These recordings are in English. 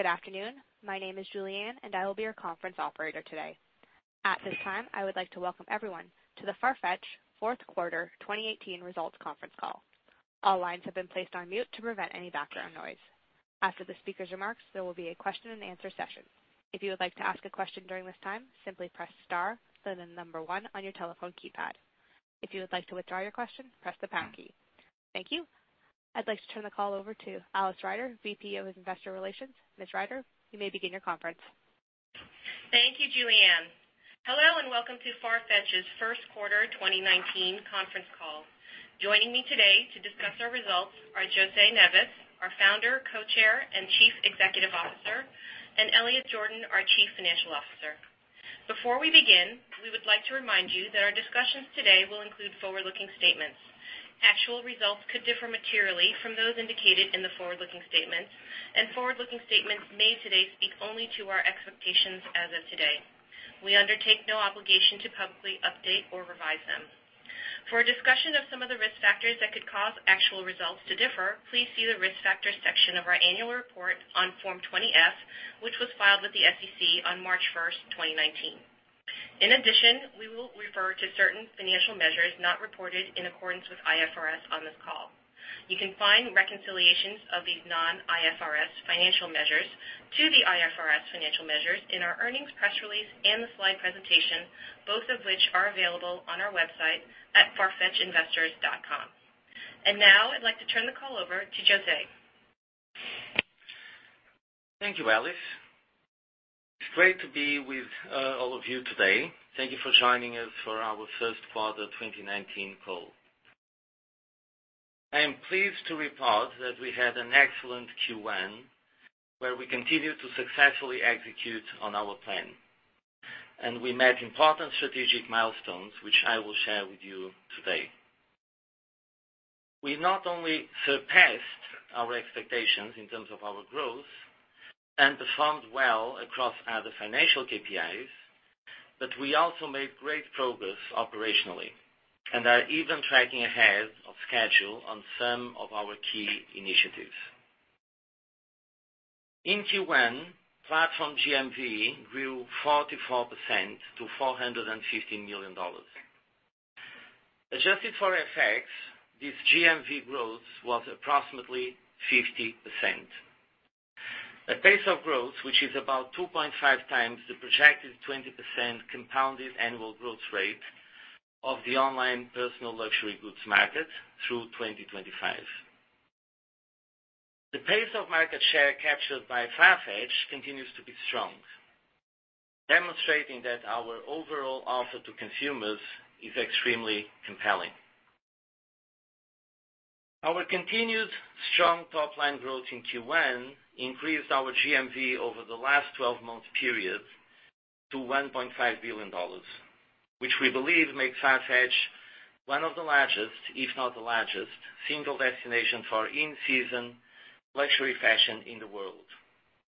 Good afternoon. My name is Julianne, and I will be your conference operator today. At this time, I would like to welcome everyone to the Farfetch fourth quarter 2018 results conference call. All lines have been placed on mute to prevent any background noise. After the speaker's remarks, there will be a question and answer session. If you would like to ask a question during this time, simply press star, then the number 1 on your telephone keypad. If you would like to withdraw your question, press the pound key. Thank you. I'd like to turn the call over to Alice Ryder, VP of Investor Relations. Ms. Ryder, you may begin your conference. Thank you, Julianne. Hello, and welcome to Farfetch's first quarter 2019 conference call. Joining me today to discuss our results are José Neves, our Founder, Co-Chair, and Chief Executive Officer, and Elliot Jordan, our Chief Financial Officer. Before we begin, we would like to remind you that our discussions today will include forward-looking statements. Actual results could differ materially from those indicated in the forward-looking statements, and forward-looking statements made today speak only to our expectations as of today. We undertake no obligation to publicly update or revise them. For a discussion of some of the risk factors that could cause actual results to differ, please see the risk factors section of our annual report on Form 20-F, which was filed with the SEC on March 1st, 2019. In addition, we will refer to certain financial measures not reported in accordance with IFRS on this call. You can find reconciliations of these non-IFRS financial measures to the IFRS financial measures in our earnings press release and the slide presentation, both of which are available on our website at farfetchinvestors.com. Now I'd like to turn the call over to José. Thank you, Alice. It's great to be with all of you today. Thank you for joining us for our first quarter 2019 call. I am pleased to report that we had an excellent Q1, where we continued to successfully execute on our plan. We met important strategic milestones, which I will share with you today. We not only surpassed our expectations in terms of our growth and performed well across other financial KPIs, but we also made great progress operationally and are even tracking ahead of schedule on some of our key initiatives. In Q1, platform GMV grew 44% to $450 million. Adjusted for FX, this GMV growth was approximately 50%. A pace of growth, which is about 2.5 times the projected 20% compounded annual growth rate of the online personal luxury goods market through 2025. The pace of market share captured by Farfetch continues to be strong, demonstrating that our overall offer to consumers is extremely compelling. Our continued strong top-line growth in Q1 increased our GMV over the last 12-month period to $1.5 billion, which we believe makes Farfetch one of the largest, if not the largest, single destination for in-season luxury fashion in the world,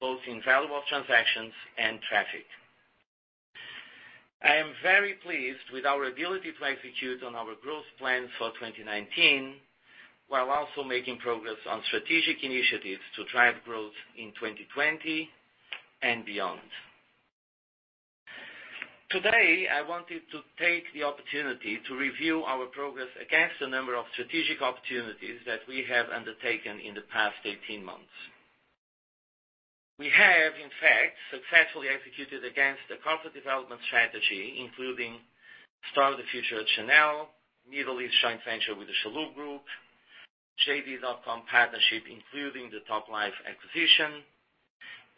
both in value of transactions and traffic. I am very pleased with our ability to execute on our growth plans for 2019, while also making progress on strategic initiatives to drive growth in 2020 and beyond. Today, I wanted to take the opportunity to review our progress against a number of strategic opportunities that we have undertaken in the past 18 months. We have, in fact, successfully executed against the corporate development strategy, including Store of the Future at Chanel, Middle East joint venture with the Chalhoub Group, JD.com partnership, including the Toplife acquisition,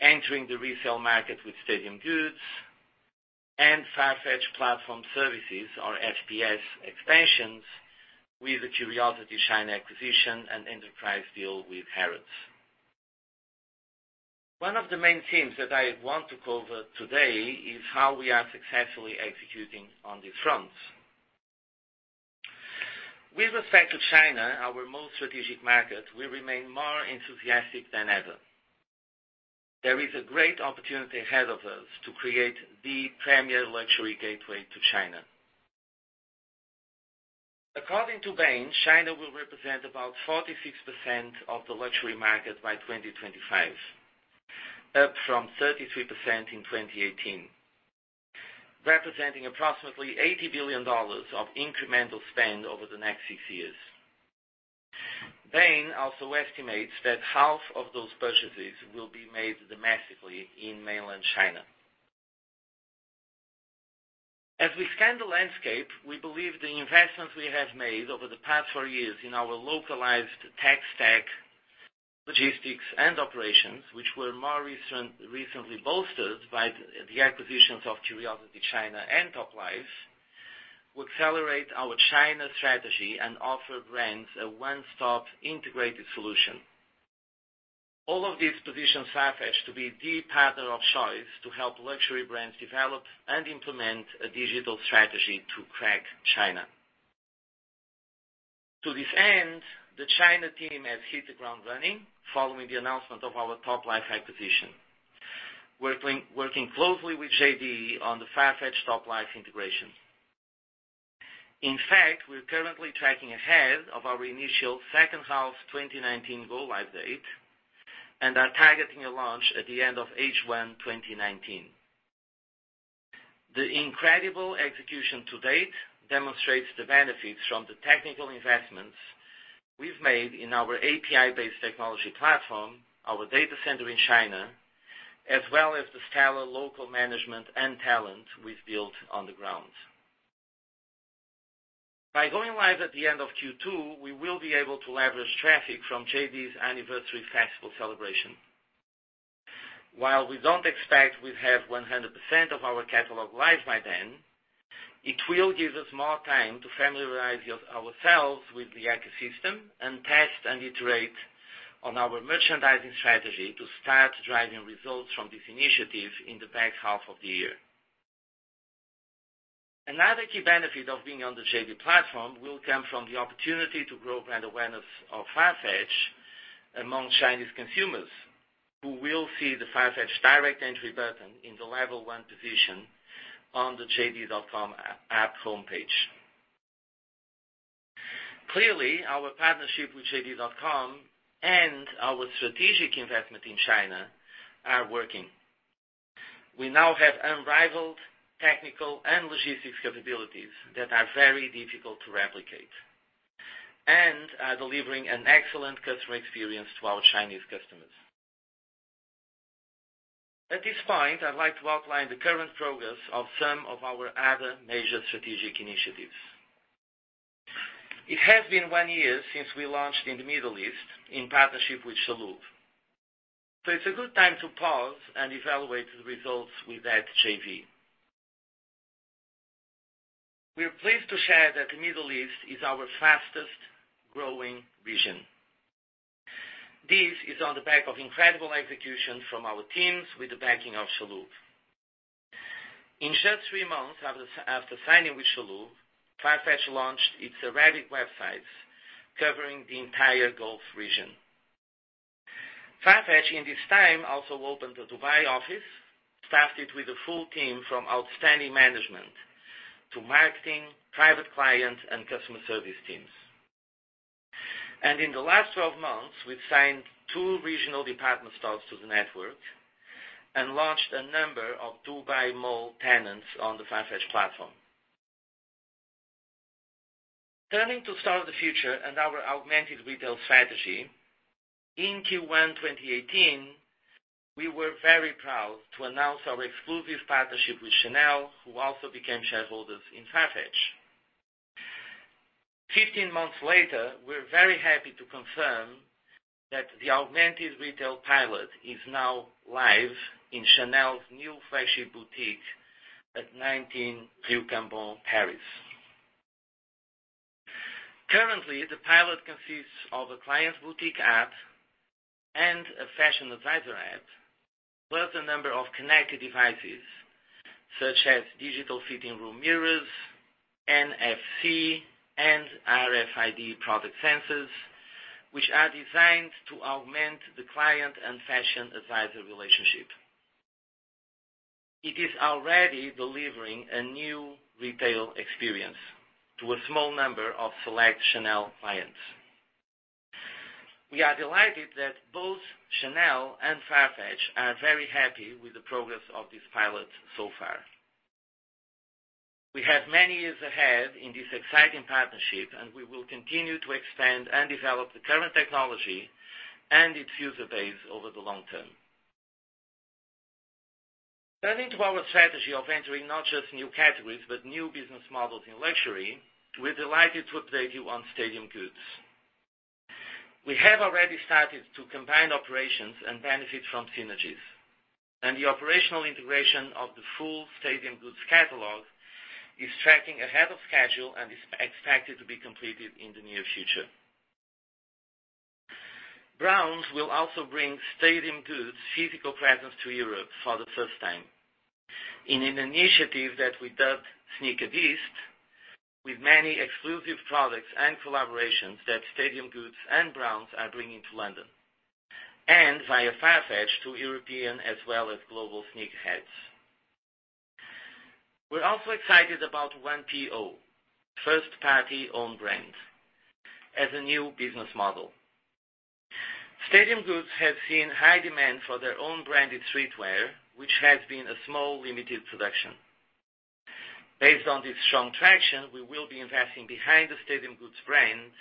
entering the resale market with Stadium Goods, and Farfetch Platform Services, or FPS expansions, with the CuriosityChina acquisition and enterprise deal with Harrods. One of the main themes that I want to cover today is how we are successfully executing on these fronts. With respect to China, our most strategic market, we remain more enthusiastic than ever. There is a great opportunity ahead of us to create the premier luxury gateway to China. According to Bain, China will represent about 46% of the luxury market by 2025, up from 33% in 2018, representing approximately $80 billion of incremental spend over the next six years. Bain also estimates that half of those purchases will be made domestically in mainland China. As we scan the landscape, we believe the investments we have made over the past four years in our localized tech stack, logistics, and operations, which were more recently bolstered by the acquisitions of CuriosityChina and Toplife, will accelerate our China strategy and offer brands a one-stop integrated solution. All of these position Farfetch to be the partner of choice to help luxury brands develop and implement a digital strategy to crack China. To this end, the China team has hit the ground running following the announcement of our Toplife acquisition. Working closely with JD on the Farfetch Toplife integration. In fact, we're currently tracking ahead of our initial second half 2019 go live date, and are targeting a launch at the end of H1 2019. The incredible execution to date demonstrates the benefits from the technical investments we've made in our API-based technology platform, our data center in China, as well as the stellar local management and talent we've built on the ground. By going live at the end of Q2, we will be able to leverage traffic from JD's anniversary festival celebration. While we don't expect we've have 100% of our catalog live by then, it will give us more time to familiarize ourselves with the ecosystem and test and iterate on our merchandising strategy to start driving results from this initiative in the back half of the year. Another key benefit of being on the JD platform will come from the opportunity to grow brand awareness of Farfetch among Chinese consumers, who will see the Farfetch direct entry button in the level 1 position on the JD.com app homepage. Clearly, our partnership with JD.com and our strategic investment in China are working. We now have unrivaled technical and logistics capabilities that are very difficult to replicate and are delivering an excellent customer experience to our Chinese customers. At this point, I'd like to outline the current progress of some of our other major strategic initiatives. It has been one year since we launched in the Middle East in partnership with Chalhoub. It's a good time to pause and evaluate the results with that JV. We are pleased to share that the Middle East is our fastest-growing region. This is on the back of incredible execution from our teams with the backing of Chalhoub. In just three months after signing with Chalhoub, Farfetch launched its Arabic websites covering the entire Gulf region. Farfetch, in this time, also opened a Dubai office, staffed it with a full team from outstanding management to marketing, private client, and customer service teams. In the last 12 months, we've signed two regional department stores to the network and launched a number of Dubai Mall tenants on the Farfetch platform. Turning to Store of the Future and our augmented retail strategy, in Q1 2018, we were very proud to announce our exclusive partnership with Chanel, who also became shareholders in Farfetch. 15 months later, we're very happy to confirm that the augmented retail pilot is now live in Chanel's new flagship boutique at 19 Rue Cambon, Paris. Currently, the pilot consists of a client's boutique app and a fashion advisor app, plus a number of connected devices such as digital fitting room mirrors, NFC, and RFID product sensors, which are designed to augment the client and fashion advisor relationship. It is already delivering a new retail experience to a small number of select Chanel clients. We are delighted that both Chanel and Farfetch are very happy with the progress of this pilot so far. We have many years ahead in this exciting partnership, and we will continue to expand and develop the current technology and its user base over the long term. Turning to our strategy of entering not just new categories, but new business models in luxury, we're delighted to update you on Stadium Goods. We have already started to combine operations and benefit from synergies. The operational integration of the full Stadium Goods catalog is tracking ahead of schedule and is expected to be completed in the near future. Browns will also bring Stadium Goods' physical presence to Europe for the first time in an initiative that we dubbed Sneakerbeast, with many exclusive products and collaborations that Stadium Goods and Browns are bringing to London and via Farfetch to European as well as global sneakerheads. We're also excited about 1PO, First-Party Owned brand, as a new business model. Stadium Goods have seen high demand for their own branded streetwear, which has been a small, limited production. Based on this strong traction, we will be investing behind the Stadium Goods brand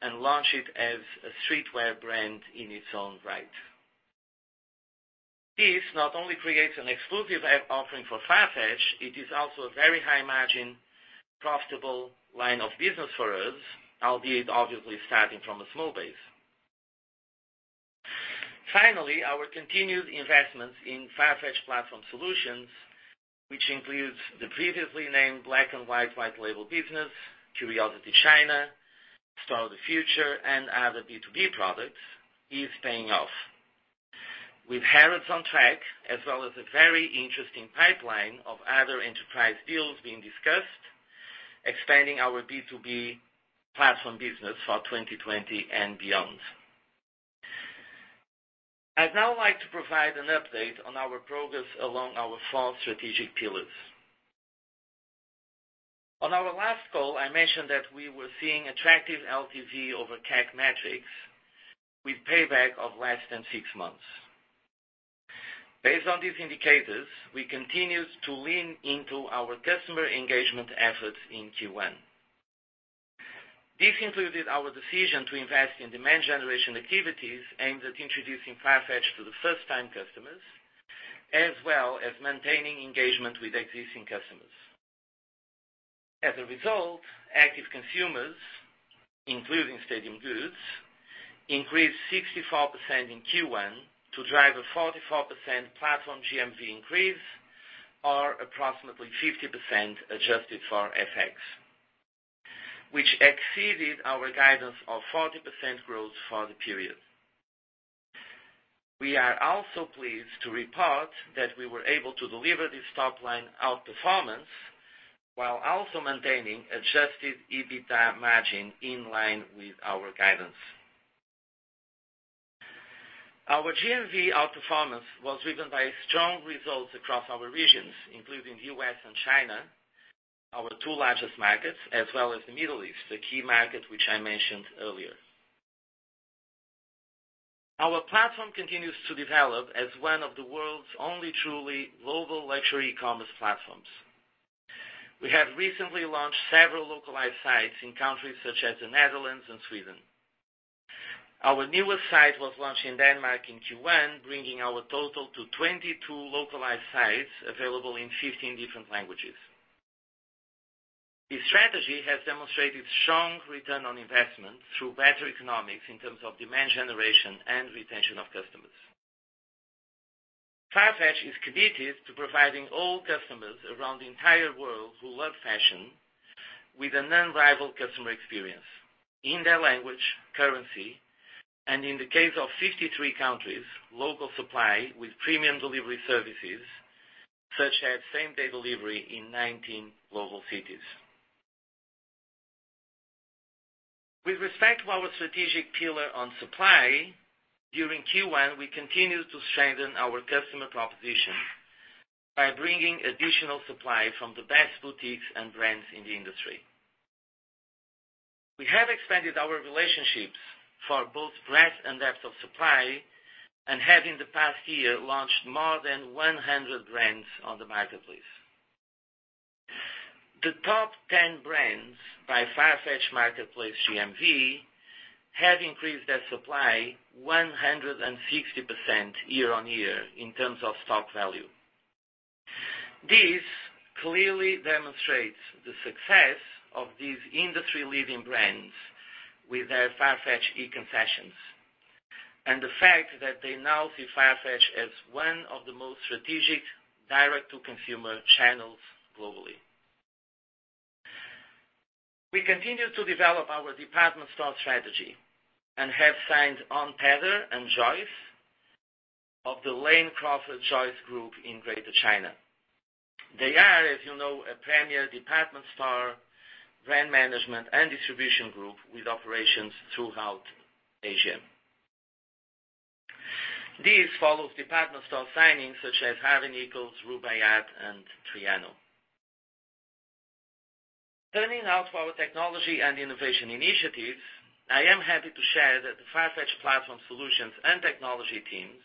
and launch it as a streetwear brand in its own right. This not only creates an exclusive app offering for Farfetch, it is also a very high-margin, profitable line of business for us, albeit obviously starting from a small base. Our continued investments in Farfetch Platform Solutions, which includes the previously named Black & White white label business, CuriosityChina, Store of the Future, and other B2B products, is paying off. With Harrods on track, as well as a very interesting pipeline of other enterprise deals being discussed, expanding our B2B platform business for 2020 and beyond. I'd now like to provide an update on our progress along our four strategic pillars. On our last call, I mentioned that we were seeing attractive LTV over CAC metrics with payback of less than 6 months. Based on these indicators, we continued to lean into our customer engagement efforts in Q1. This included our decision to invest in demand generation activities aimed at introducing Farfetch to the first-time customers, as well as maintaining engagement with existing customers. As a result, active consumers, including Stadium Goods, increased 64% in Q1 to drive a 44% platform GMV increase, or approximately 50% adjusted for FX, which exceeded our guidance of 40% growth for the period. We are also pleased to report that we were able to deliver this top-line outperformance while also maintaining adjusted EBITDA margin in line with our guidance. Our GMV outperformance was driven by strong results across our regions, including U.S. and China, our two largest markets, as well as the Middle East, a key market which I mentioned earlier. Our platform continues to develop as one of the world's only truly global luxury commerce platforms. We have recently launched several localized sites in countries such as the Netherlands and Sweden. Our newest site was launched in Denmark in Q1, bringing our total to 22 localized sites available in 15 different languages. This strategy has demonstrated strong return on investment through better economics in terms of demand generation and retention of customers. Farfetch is committed to providing all customers around the entire world who love fashion with an unrivaled customer experience in their language, currency, and in the case of 53 countries, local supply with premium delivery services such as same-day delivery in 19 global cities. With respect to our strategic pillar on supply, during Q1, we continued to strengthen our customer proposition by bringing additional supply from the best boutiques and brands in the industry. We have expanded our relationships for both breadth and depth of supply, and have in the past year, launched more than 100 brands on the marketplace. The top 10 brands by Farfetch Marketplace GMV have increased their supply 160% year-on-year in terms of stock value. This clearly demonstrates the success of these industry-leading brands with their Farfetch e-concessions, and the fact that they now see Farfetch as one of the most strategic direct-to-consumer channels globally. We continue to develop our department store strategy and have signed On Pedder and Joyce of The Lane Crawford Joyce Group in Greater China. They are, as you know, a premier department store, brand management, and distribution group with operations throughout Asia. This follows department store signings such as Harvey Nichols, Rubaiyat, and Trianon. Turning now to our technology and innovation initiatives, I am happy to share that the Farfetch Platform Solutions and technology teams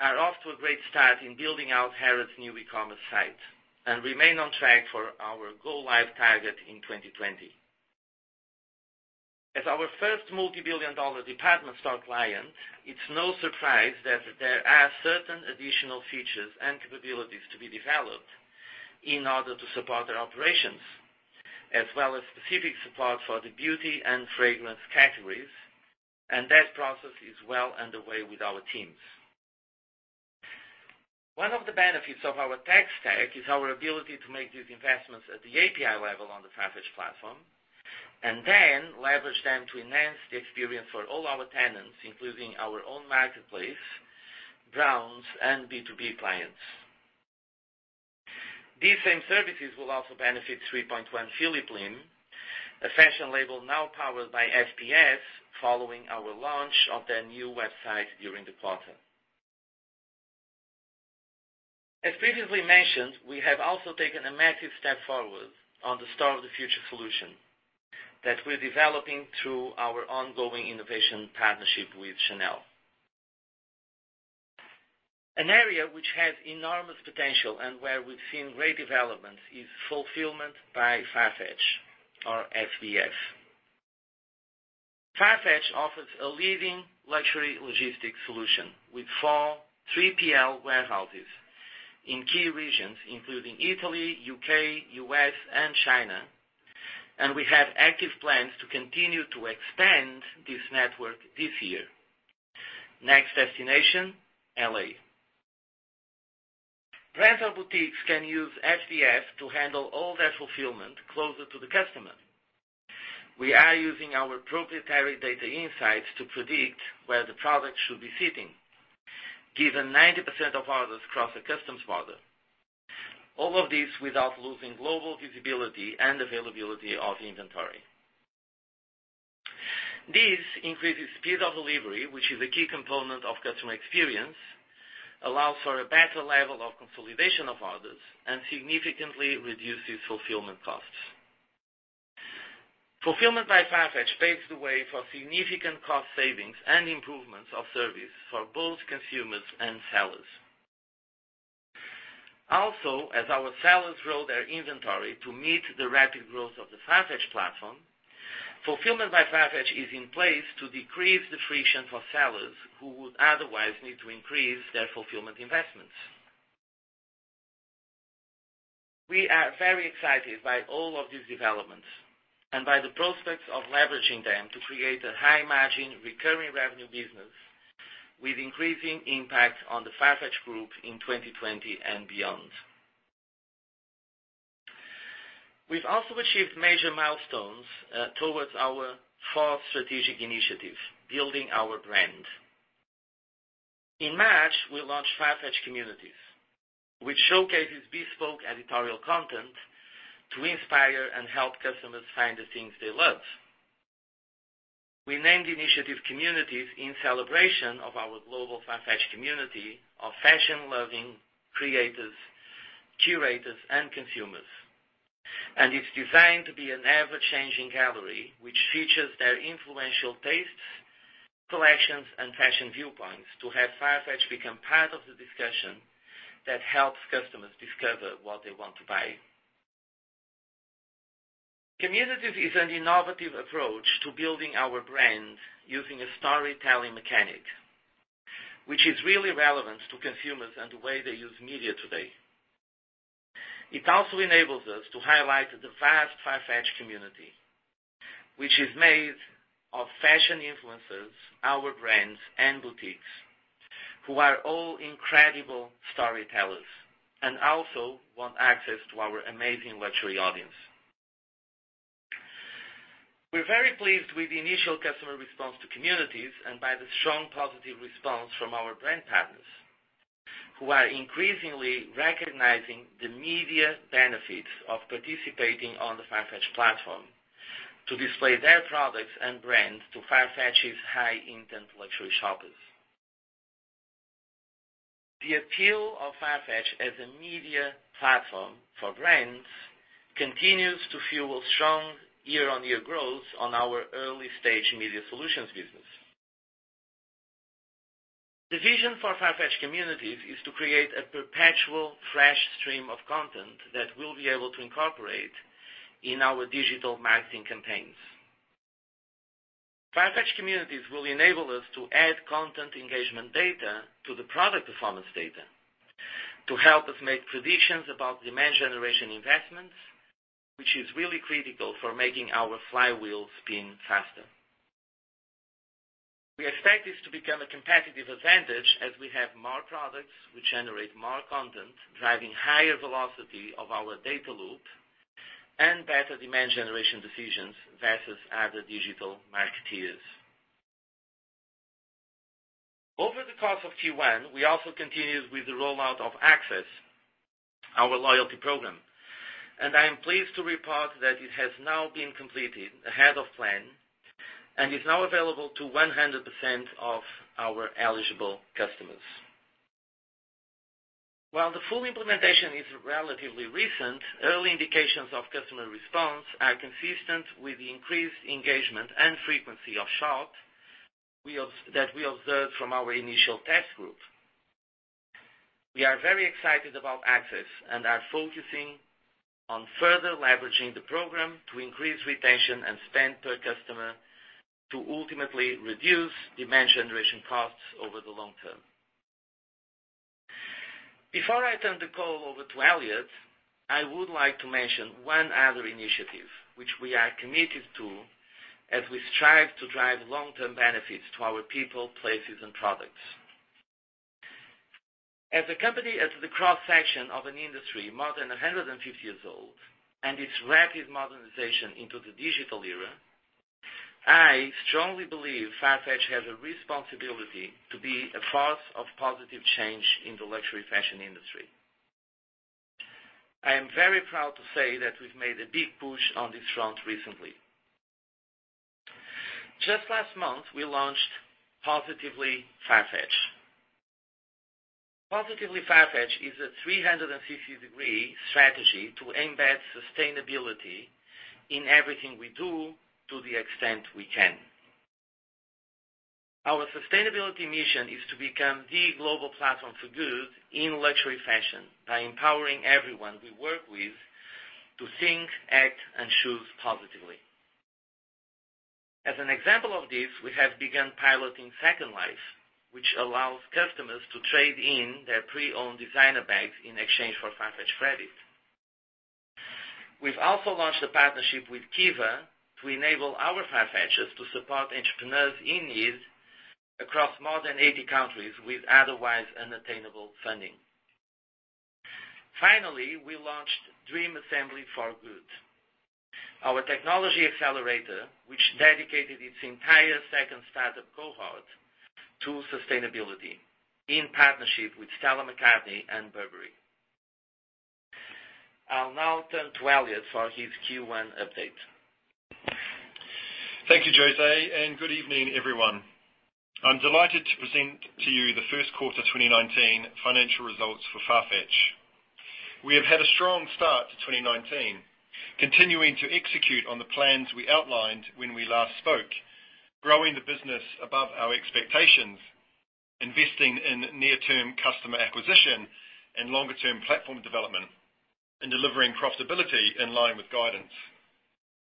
are off to a great start in building out Harrods' new e-commerce site, and remain on track for our go-live target in 2020. As our first multibillion-dollar department store client, it's no surprise that there are certain additional features and capabilities to be developed in order to support their operations, as well as specific support for the beauty and fragrance categories. That process is well underway with our teams. One of the benefits of our tech stack is our ability to make these investments at the API level on the Farfetch platform, then leverage them to enhance the experience for all our tenants, including our own marketplace, Browns, and B2B clients. These same services will also benefit 3.1 Phillip Lim, a fashion label now powered by FPS following our launch of their new website during the quarter. As previously mentioned, we have also taken a massive step forward on the Store of the Future solution that we're developing through our ongoing innovation partnership with Chanel. An area which has enormous potential and where we've seen great development is Fulfillment by Farfetch or FBF. Farfetch offers a leading luxury logistics solution with 4 3PL warehouses in key regions including Italy, U.K., U.S., and China. We have active plans to continue to expand this network this year. Next destination, L.A. Brands or boutiques can use FBF to handle all their fulfillment closer to the customer. We are using our proprietary data insights to predict where the product should be sitting, given 90% of orders cross a customs border. All of this without losing global visibility and availability of inventory. This increases speed of delivery, which is a key component of customer experience, allows for a better level of consolidation of orders, and significantly reduces fulfillment costs. Fulfillment by Farfetch paves the way for significant cost savings and improvements of service for both consumers and sellers. Also, as our sellers grow their inventory to meet the rapid growth of the Farfetch platform, Fulfillment by Farfetch is in place to decrease the friction for sellers who would otherwise need to increase their fulfillment investments. We are very excited by all of these developments and by the prospects of leveraging them to create a high-margin, recurring revenue business with increasing impact on the Farfetch group in 2020 and beyond. We've also achieved major milestones towards our fourth strategic initiative, building our brand. In March, we launched Farfetch Communities, which showcases bespoke editorial content to inspire and help customers find the things they love. We named the initiative Communities in celebration of our global Farfetch community of fashion-loving creators, curators, and consumers. It's designed to be an ever-changing gallery, which features their influential tastes, collections, and fashion viewpoints to have Farfetch become part of the discussion that helps customers discover what they want to buy. Communities is an innovative approach to building our brand using a storytelling mechanic, which is really relevant to consumers and the way they use media today. It also enables us to highlight the vast Farfetch community, which is made of fashion influencers, our brands, and boutiques, who are all incredible storytellers, and also want access to our amazing luxury audience. We're very pleased with the initial customer response to Communities and by the strong positive response from our brand partners, who are increasingly recognizing the media benefits of participating on the Farfetch platform to display their products and brands to Farfetch's high-intent luxury shoppers. The appeal of Farfetch as a media platform for brands continues to fuel strong year-on-year growth on our early-stage Media Solutions business. The vision for Farfetch Communities is to create a perpetual fresh stream of content that we'll be able to incorporate in our digital marketing campaigns. Farfetch Communities will enable us to add content engagement data to the product performance data to help us make predictions about demand generation investments, which is really critical for making our flywheel spin faster. We expect this to become a competitive advantage as we have more products which generate more content, driving higher velocity of our data loop and better demand generation decisions versus other digital marketeers. Over the course of Q1, we also continued with the rollout of Access, our loyalty program. I am pleased to report that it has now been completed ahead of plan, and is now available to 100% of our eligible customers. While the full implementation is relatively recent, early indications of customer response are consistent with the increased engagement and frequency of shop that we observed from our initial test group. We are very excited about Access and are focusing on further leveraging the program to increase retention and spend per customer to ultimately reduce demand generation costs over the long term. Before I turn the call over to Elliot, I would like to mention one other initiative which we are committed to as we strive to drive long-term benefits to our people, places, and products. As a company at the cross-section of an industry more than 150 years old and its rapid modernization into the digital era, I strongly believe Farfetch has a responsibility to be a force of positive change in the luxury fashion industry. I am very proud to say that we've made a big push on this front recently. Just last month, we launched Positively Farfetch. Positively Farfetch is a 360-degree strategy to embed sustainability in everything we do to the extent we can. Our sustainability mission is to become the global platform for good in luxury fashion by empowering everyone we work with to think, act, and choose positively. As an example of this, we have begun piloting Second Life, which allows customers to trade in their pre-owned designer bags in exchange for Farfetch credit. We've also launched a partnership with Kiva to enable our Farfetchers to support entrepreneurs in need across more than 80 countries with otherwise unattainable funding. Finally, we launched Dream Assembly for Good, our technology accelerator, which dedicated its entire second startup cohort to sustainability in partnership with Stella McCartney and Burberry. I'll now turn to Elliot for his Q1 update. Thank you, José, and good evening, everyone. I am delighted to present to you the first quarter of 2019 financial results for Farfetch. We have had a strong start to 2019, continuing to execute on the plans we outlined when we last spoke, growing the business above our expectations, investing in near-term customer acquisition and longer-term platform development, and delivering profitability in line with guidance.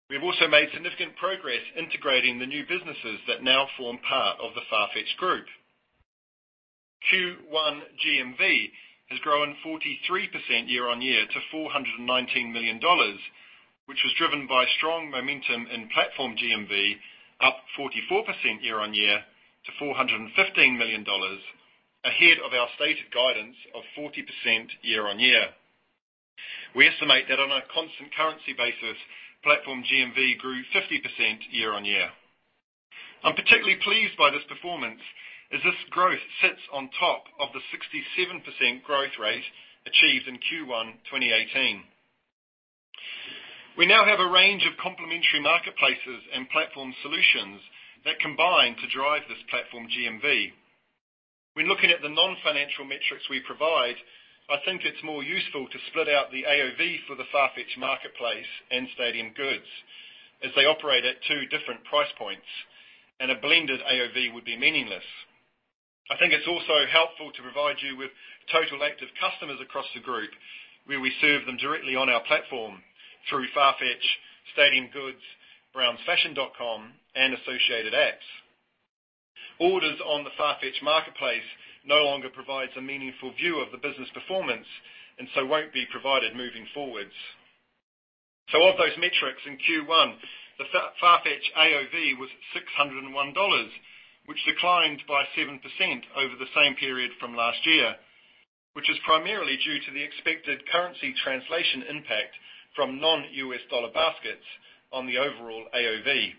We have also made significant progress integrating the new businesses that now form part of the Farfetch group. Q1 GMV has grown 43% year-on-year to $419 million, which was driven by strong momentum in platform GMV, up 44% year-on-year to $415 million, ahead of our stated guidance of 40% year-on-year. We estimate that on a constant currency basis, platform GMV grew 50% year-on-year. I am particularly pleased by this performance, as this growth sits on top of the 67% growth rate achieved in Q1 2018. We now have a range of complementary marketplaces and platform solutions that combine to drive this platform GMV. When looking at the non-financial metrics we provide, I think it is more useful to split out the AOV for the Farfetch marketplace and Stadium Goods, as they operate at two different price points, and a blended AOV would be meaningless. I think it is also helpful to provide you with total active customers across the group, where we serve them directly on our platform through Farfetch, Stadium Goods, brownsfashion.com, and associated apps. Orders on the Farfetch marketplace no longer provides a meaningful view of the business performance, so won't be provided moving forwards. Of those metrics in Q1, the Farfetch AOV was $601, which declined by 7% over the same period from last year, which is primarily due to the expected currency translation impact from non-U.S. dollar baskets on the overall AOV.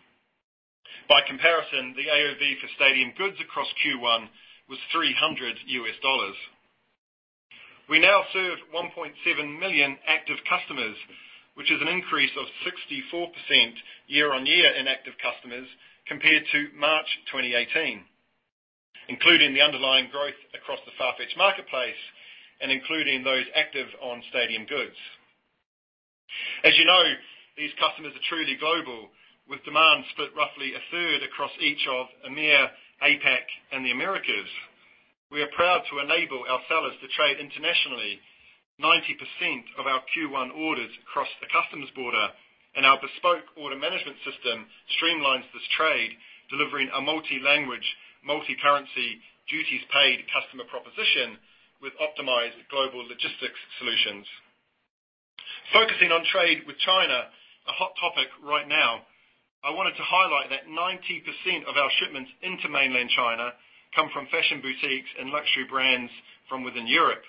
By comparison, the AOV for Stadium Goods across Q1 was $300. We now serve 1.7 million active customers, which is an increase of 64% year-on-year in active customers compared to March 2018, including the underlying growth across the Farfetch marketplace and including those active on Stadium Goods. As you know, these customers are truly global, with demand split roughly a third across each of EMEA, APAC, and the Americas. We are proud to enable our sellers to trade internationally. 90% of our Q1 orders crossed the customs border, and our bespoke order management system streamlines this trade, delivering a multi-language, multi-currency duties paid customer proposition with optimized global logistics solutions. Focusing on trade with China, a hot topic right now, I wanted to highlight that 90% of our shipments into mainland China come from fashion boutiques and luxury brands from within Europe.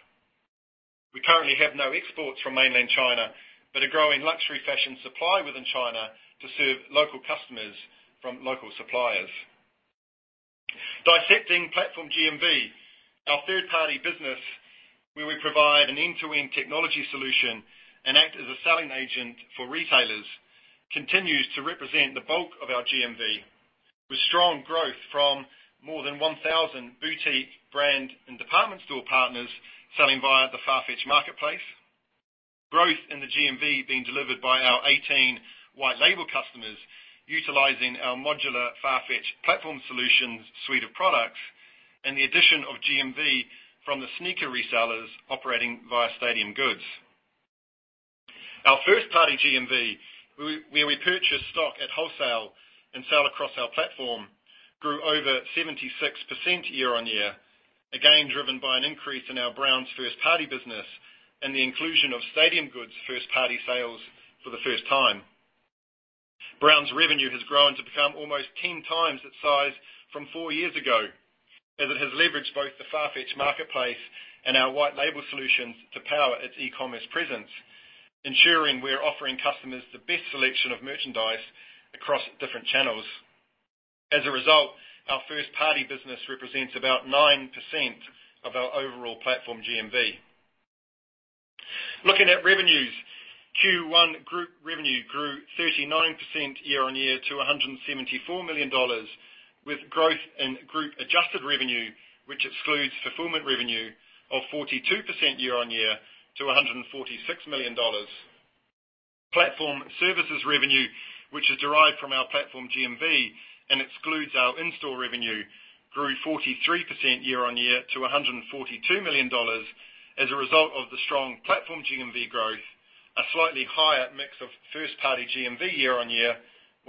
We currently have no exports from mainland China, but a growing luxury fashion supply within China to serve local customers from local suppliers. Dissecting platform GMV, our third-party business, where we provide an an end-to-end technology solution and act as a selling agent for retailers, continues to represent the bulk of our GMV. With strong growth from more than 1,000 boutique brand and department store partners selling via the Farfetch marketplace. Growth in the GMV being delivered by our 18 white label customers utilizing our modular Farfetch Platform Solutions suite of products, and the addition of GMV from the sneaker resellers operating via Stadium Goods. Our first-party GMV, where we purchase stock at wholesale and sell across our platform, grew over 76% year-on-year, again, driven by an increase in our Browns first-party business and the inclusion of Stadium Goods first-party sales for the first time. Browns revenue has grown to become almost 10 times its size from four years ago, as it has leveraged both the Farfetch marketplace and our white label solutions to power its e-commerce presence, ensuring we're offering customers the best selection of merchandise across different channels. As a result, our first-party business represents about 9% of our overall platform GMV. Looking at revenues, Q1 group revenue grew 39% year-on-year to $174 million, with growth in group adjusted revenue, which excludes fulfillment revenue of 42% year-on-year to $146 million. Platform services revenue, which is derived from our platform GMV and excludes our in-store revenue, grew 43% year-on-year to $142 million as a result of the strong platform GMV growth, a slightly higher mix of first-party GMV year-on-year,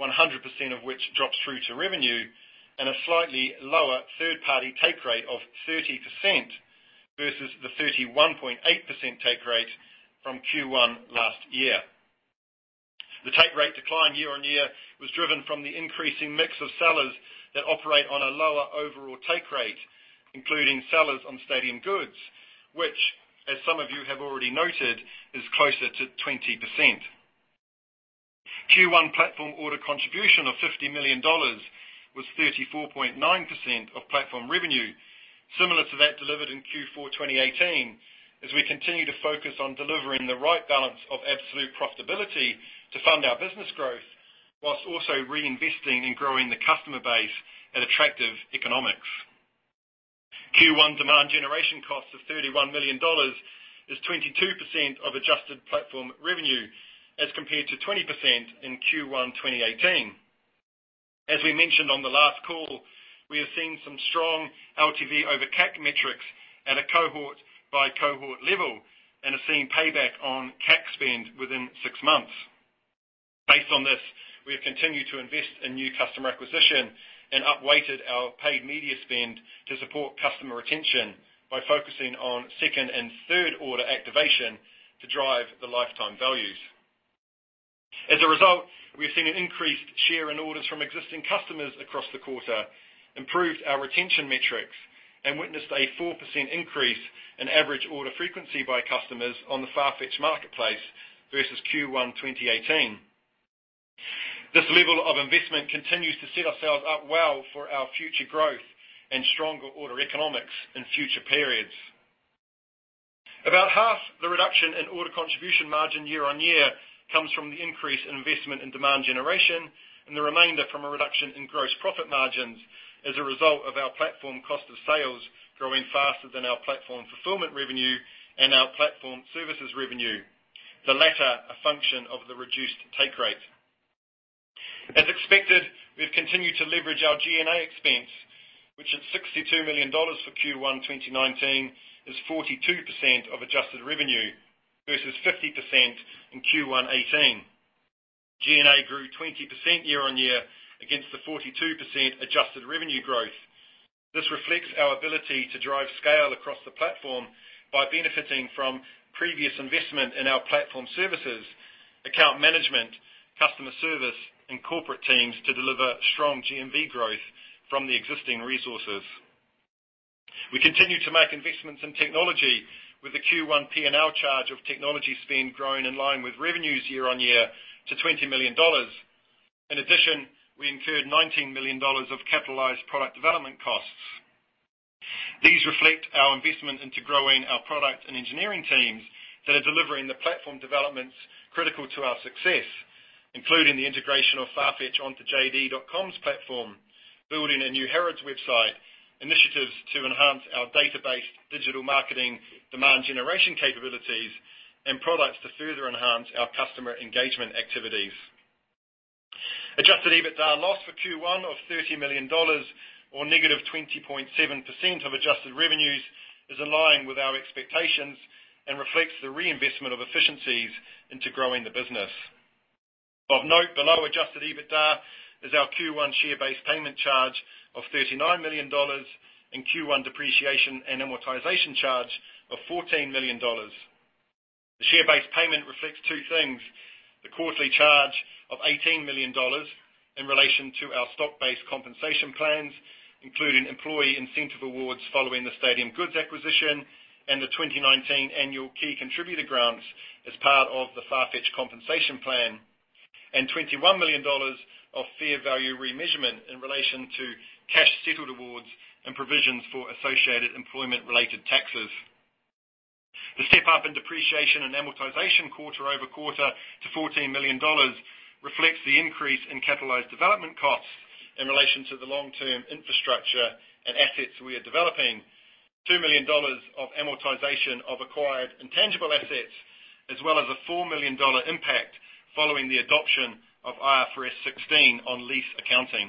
100% of which drops through to revenue, and a slightly lower third-party take rate of 30% versus the 31.8% take rate from Q1 last year. The take rate decline year-on-year was driven from the increasing mix of sellers that operate on a lower overall take rate, including sellers on Stadium Goods, which as some of you have already noted, is closer to 20%. Q1 platform order contribution of $50 million was 34.9% of platform revenue, similar to that delivered in Q4 2018, as we continue to focus on delivering the right balance of absolute profitability to fund our business growth, whilst also reinvesting in growing the customer base at attractive economics. Q1 demand generation costs of $31 million is 22% of adjusted platform revenue as compared to 20% in Q1 2018. As we mentioned on the last call, we are seeing some strong LTV over CAC metrics at a cohort-by-cohort level, and are seeing payback on CAC spend within six months. Based on this, we have continued to invest in new customer acquisition and up-weighted our paid media spend to support customer retention by focusing on second and third order activation to drive the lifetime values. As a result, we've seen an increased share in orders from existing customers across the quarter, improved our retention metrics, and witnessed a 4% increase in average order frequency by customers on the Farfetch marketplace versus Q1 2018. This level of investment continues to set ourselves up well for our future growth and stronger order economics in future periods. About half the reduction in order contribution margin year-on-year comes from the increase in investment in demand generation, and the remainder from a reduction in gross profit margins as a result of our platform cost of sales growing faster than our platform fulfillment revenue and our platform services revenue. The latter, a function of the reduced take rate. As expected, we've continued to leverage our G&A expense, which at $62 million for Q1 2019, is 42% of adjusted revenue versus 50% in Q1 2018. G&A grew 20% year-on-year against the 42% adjusted revenue growth. This reflects our ability to drive scale across the platform by benefiting from previous investment in our platform services, account management, customer service, and corporate teams to deliver strong GMV growth from the existing resources. We continue to make investments in technology with the Q1 P&L charge of technology spend growing in line with revenues year-on-year to $20 million. In addition, we incurred $19 million of capitalized product development costs. These reflect our investment into growing our product and engineering teams that are delivering the platform developments critical to our success, including the integration of Farfetch onto JD.com's platform, building a new Harrods website, initiatives to enhance our database, digital marketing, demand generation capabilities, and products to further enhance our customer engagement activities. Adjusted EBITDA loss for Q1 of $30 million or -20.7% of adjusted revenues is in line with our expectations and reflects the reinvestment of efficiencies into growing the business. Of note, below adjusted EBITDA is our Q1 share-based payment charge of $39 million and Q1 depreciation and amortization charge of $14 million. The share-based payment reflects two things. The quarterly charge of $18 million in relation to our stock-based compensation plans, including employee incentive awards following the Stadium Goods acquisition and the 2019 annual key contributor grants as part of the Farfetch compensation plan, and $21 million of fair value remeasurement in relation to cash-settled awards and provisions for associated employment-related taxes. The step up in depreciation and amortization quarter-over-quarter to $14 million reflects the increase in capitalized development costs in relation to the long-term infrastructure and assets we are developing. $2 million of amortization of acquired intangible assets, as well as a $4 million impact following the adoption of IFRS 16 on lease accounting.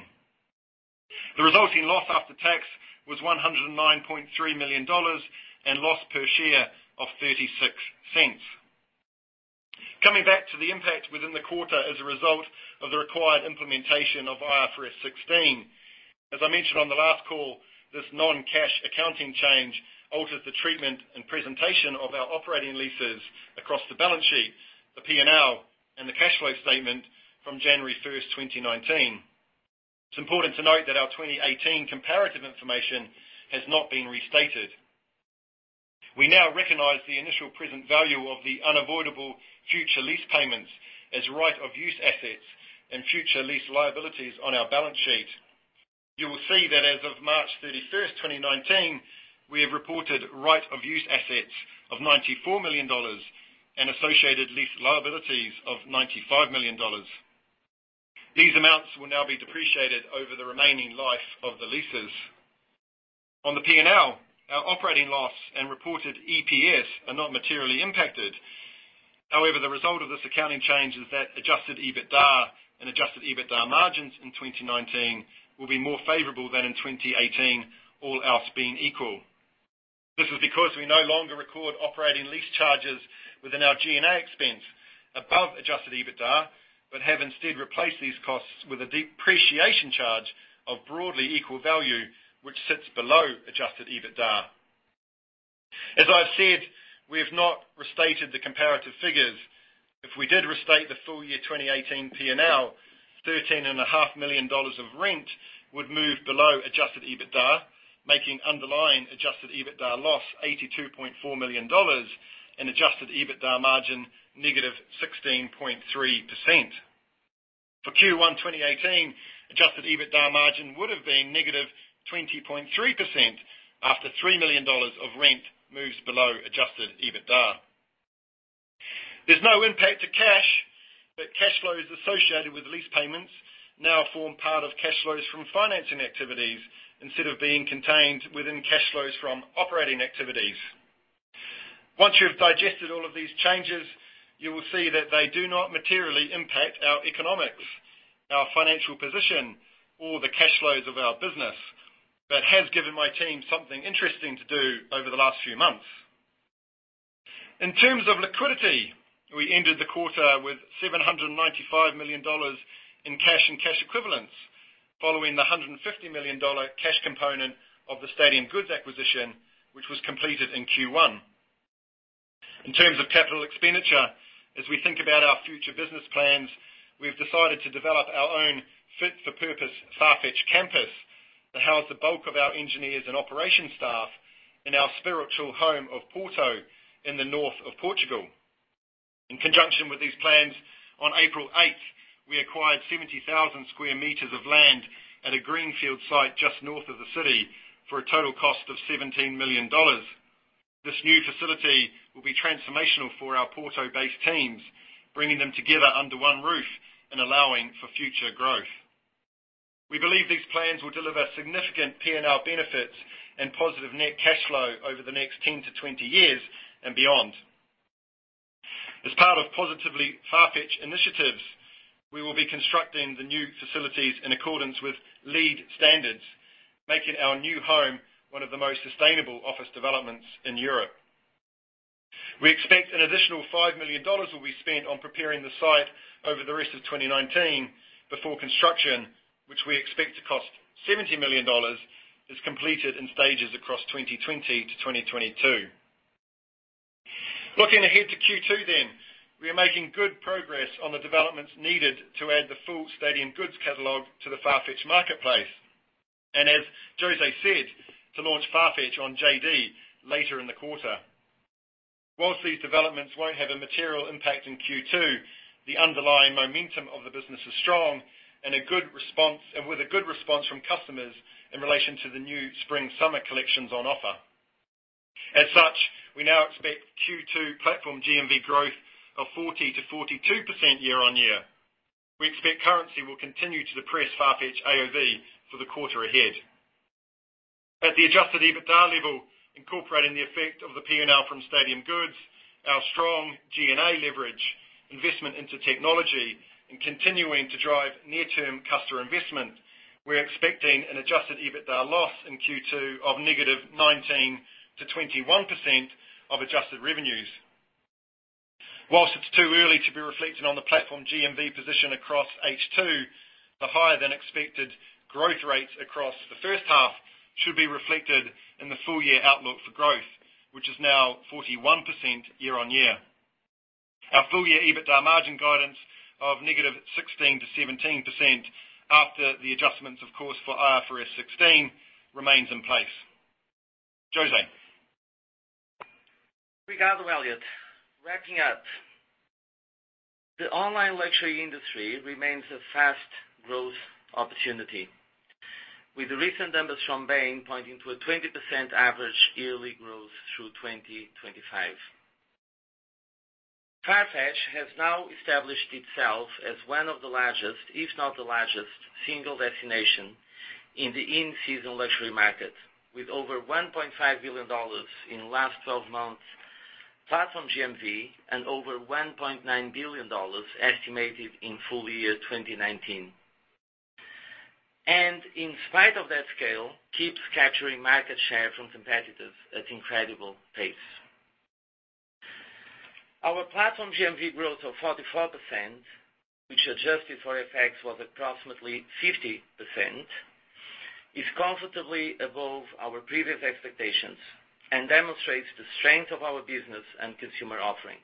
The resulting loss after tax was $109.3 million and loss per share of $0.36. Coming back to the impact within the quarter as a result of the required implementation of IFRS 16. As I mentioned on the last call, this non-cash accounting change alters the treatment and presentation of our operating leases across the balance sheet, the P&L, and the cash flow statement from January 1st, 2019. It's important to note that our 2018 comparative information has not been restated. We now recognize the initial present value of the unavoidable future lease payments as right of use assets and future lease liabilities on our balance sheet. You will see that as of March 31st, 2019, we have reported right-of-use assets of $94 million and associated lease liabilities of $95 million. These amounts will now be depreciated over the remaining life of the leases. On the P&L, our operating loss and reported EPS are not materially impacted. The result of this accounting change is that adjusted EBITDA and adjusted EBITDA margins in 2019 will be more favorable than in 2018, all else being equal. This is because we no longer record operating lease charges within our G&A expense above adjusted EBITDA, but have instead replaced these costs with a depreciation charge of broadly equal value, which sits below adjusted EBITDA. As I've said, we have not restated the comparative figures. If we did restate the full year 2018 P&L, $13.5 million of rent would move below adjusted EBITDA, making underlying adjusted EBITDA loss $82.4 million, and adjusted EBITDA margin negative 16.3%. For Q1 2018, adjusted EBITDA margin would've been negative 20.3% after $3 million of rent moves below adjusted EBITDA. There's no impact to cash, but cash flows associated with lease payments now form part of cash flows from financing activities instead of being contained within cash flows from operating activities. Once you've digested all of these changes, you will see that they do not materially impact our economics, our financial position, or the cash flows of our business, but has given my team something interesting to do over the last few months. In terms of liquidity, we ended the quarter with $795 million in cash and cash equivalents, following the $150 million cash component of the Stadium Goods acquisition, which was completed in Q1. In terms of capital expenditure, as we think about our future business plans, we've decided to develop our own fit for purpose Farfetch campus to house the bulk of our engineers and operation staff in our spiritual home of Porto in the north of Portugal. In conjunction with these plans, on April 8th, we acquired 70,000 sq m of land at a greenfield site just north of the city for a total cost of $17 million. This new facility will be transformational for our Porto-based teams, bringing them together under one roof and allowing for future growth. We believe these plans will deliver significant P&L benefits and positive net cash flow over the next 10 to 20 years and beyond. As part of Positively Farfetch initiatives, we will be constructing the new facilities in accordance with LEED standards, making our new home one of the most sustainable office developments in Europe. We expect an additional $5 million will be spent on preparing the site over the rest of 2019 before construction, which we expect to cost $70 million, is completed in stages across 2020 to 2022. Looking ahead to Q2, we are making good progress on the developments needed to add the full Stadium Goods catalog to the Farfetch marketplace. As José said, to launch Farfetch on JD later in the quarter. Whilst these developments won't have a material impact in Q2, the underlying momentum of the business is strong and with a good response from customers in relation to the new spring/summer collections on offer. As such, we now expect Q2 platform GMV growth of 40%-42% year-on-year. We expect currency will continue to depress Farfetch AOV for the quarter ahead. At the adjusted EBITDA level, incorporating the effect of the P&L from Stadium Goods, our strong G&A leverage, investment into technology, and continuing to drive near-term customer investment, we're expecting an adjusted EBITDA loss in Q2 of negative 19%-21% of adjusted revenues. Whilst it is too early to be reflected on the platform GMV position across H2, the higher-than-expected growth rates across the first half should be reflected in the full year outlook for growth, which is now 41% year-on-year. Our full year EBITDA margin guidance of negative 16% to 17% after the adjustments, of course, for IFRS 16 remains in place. José? Obrigado, Elliot. Wrapping up, the online luxury industry remains a fast growth opportunity. With the recent numbers from Bain pointing to a 20% average yearly growth through 2025. Farfetch has now established itself as one of the largest, if not the largest, single destination in the in-season luxury market. With over $1.5 billion in the last 12 months platform GMV and over $1.9 billion estimated in full year 2019. In spite of that scale, keeps capturing market share from competitors at incredible pace. Our platform GMV growth of 44%, which adjusted for FX, was approximately 50%, is comfortably above our previous expectations and demonstrates the strength of our business and consumer offering.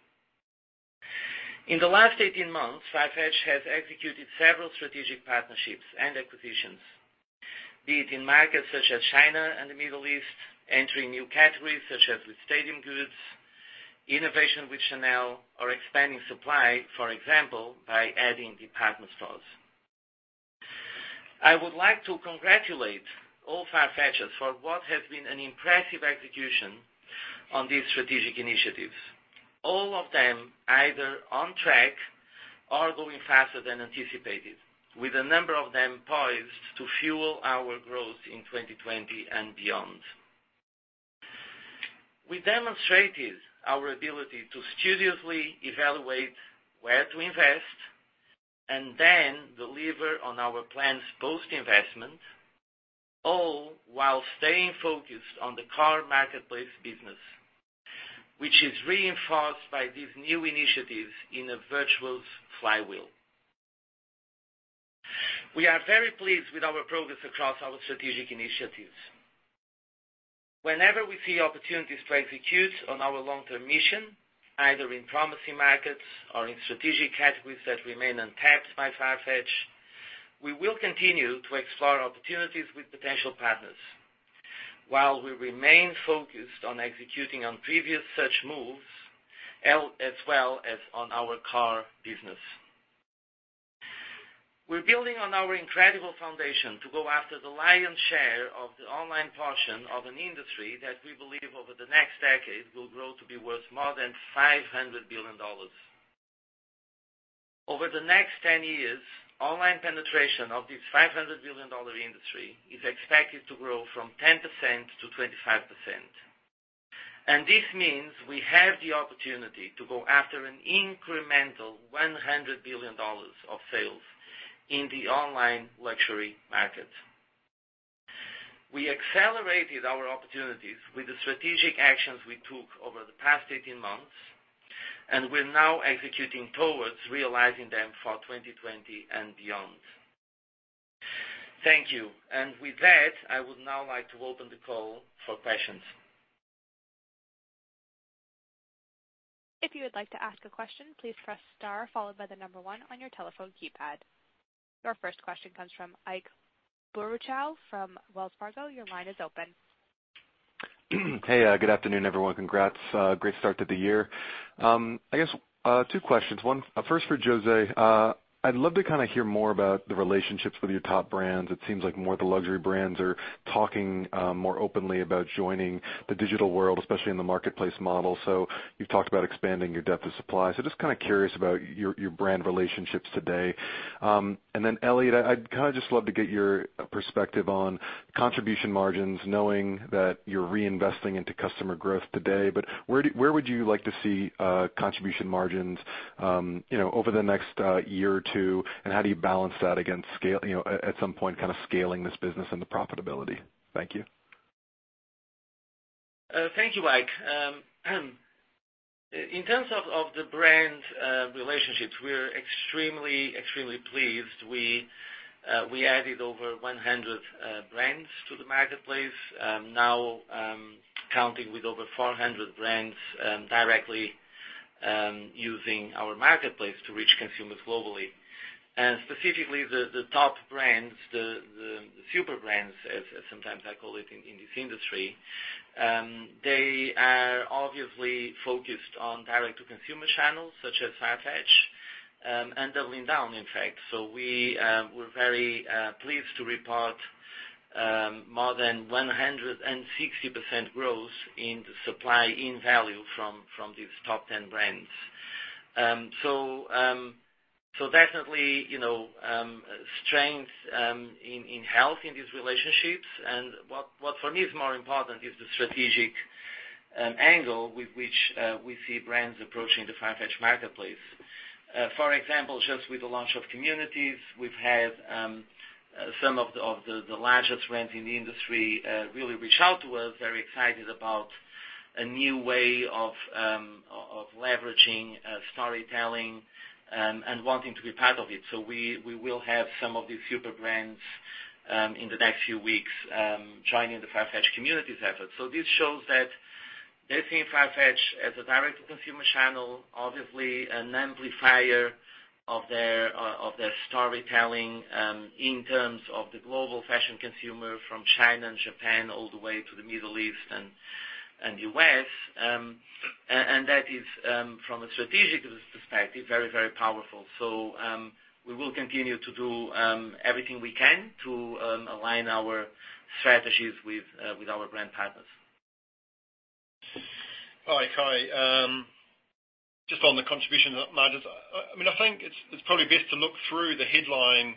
In the last 18 months, Farfetch has executed several strategic partnerships and acquisitions. Be it in markets such as China and the Middle East, entering new categories such as with Stadium Goods, innovation with Chanel, or expanding supply. For example, by adding department stores. I would like to congratulate all Farfetchers for what has been an impressive execution on these strategic initiatives. All of them either on track or going faster than anticipated, with a number of them poised to fuel our growth in 2020 and beyond. We demonstrated our ability to studiously evaluate where to invest and then deliver on our plans post-investment, all while staying focused on the core marketplace business, which is reinforced by these new initiatives in a virtuous flywheel. We are very pleased with our progress across our strategic initiatives. Whenever we see opportunities to execute on our long-term mission, either in promising markets or in strategic categories that remain untapped by Farfetch, we will continue to explore opportunities with potential partners, while we remain focused on executing on previous such moves, as well as on our core business. We are building on our incredible foundation to go after the lion's share of the online portion of an industry that we believe over the next decade will grow to be worth more than $500 billion. Over the next 10 years, online penetration of this $500 billion industry is expected to grow from 10%-25%. This means we have the opportunity to go after an incremental $100 billion of sales in the online luxury market. We accelerated our opportunities with the strategic actions we took over the past 18 months, we're now executing towards realizing them for 2020 and beyond. Thank you. With that, I would now like to open the call for questions. If you would like to ask a question, please press star followed by the one on your telephone keypad. Your first question comes from Ike Boruchow from Wells Fargo. Your line is open. Hey, good afternoon, everyone. Congrats. Great start to the year. I guess, two questions. One first for José. I'd love to hear more about the relationships with your top brands. It seems like more of the luxury brands are talking more openly about joining the digital world, especially in the marketplace model. You've talked about expanding your depth of supply. Just curious about your brand relationships today. Then Elliot, I'd just love to get your perspective on contribution margins, knowing that you're reinvesting into customer growth today. Where would you like to see contribution margins over the next year or two, and how do you balance that against, at some point scaling this business and the profitability? Thank you. Thank you, Ike. In terms of the brand relationships, we're extremely pleased. We added over 100 brands to the marketplace, now counting with over 400 brands directly using our marketplace to reach consumers globally. Specifically the top brands, the super brands, as sometimes I call it in this industry, they are obviously focused on direct-to-consumer channels such as Farfetch, and doubling down, in fact. We're very pleased to report more than 160% growth in the supply in value from these top 10 brands. Definitely strength in health in these relationships and what for me is more important is the strategic angle with which we see brands approaching the Farfetch marketplace. For example, just with the launch of Communities, we've had some of the largest brands in the industry really reach out to us, very excited about a new way of leveraging storytelling and wanting to be part of it. We will have some of these super brands in the next few weeks, joining the Farfetch Communities effort. This shows that they're seeing Farfetch as a direct-to-consumer channel, obviously an amplifier of their storytelling in terms of the global fashion consumer from China and Japan all the way to the Middle East and the U.S. That is, from a strategic perspective, very, very powerful. We will continue to do everything we can to align our strategies with our brand partners. Hi, Ike. Just on the contribution margins. I think it's probably best to look through the headline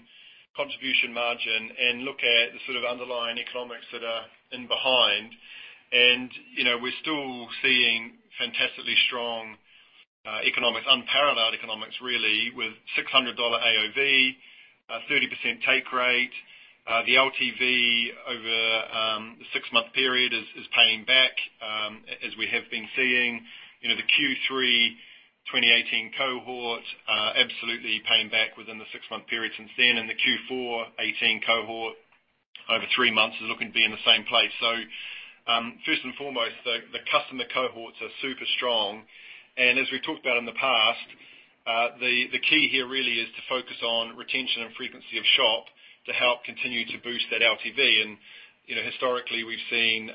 contribution margin and look at the underlying economics that are in behind. We're still seeing fantastically strong economics, unparalleled economics really, with $600 AOV, 30% take rate. The LTV over the six-month period is paying back as we have been seeing. The Q3 2018 cohort absolutely paying back within the six-month period since then. The Q4 2018 cohort over three months is looking to be in the same place. First and foremost, the customer cohorts are super strong. As we've talked about in the past, the key here really is to focus on retention and frequency of shop to help continue to boost that LTV. Historically, we've seen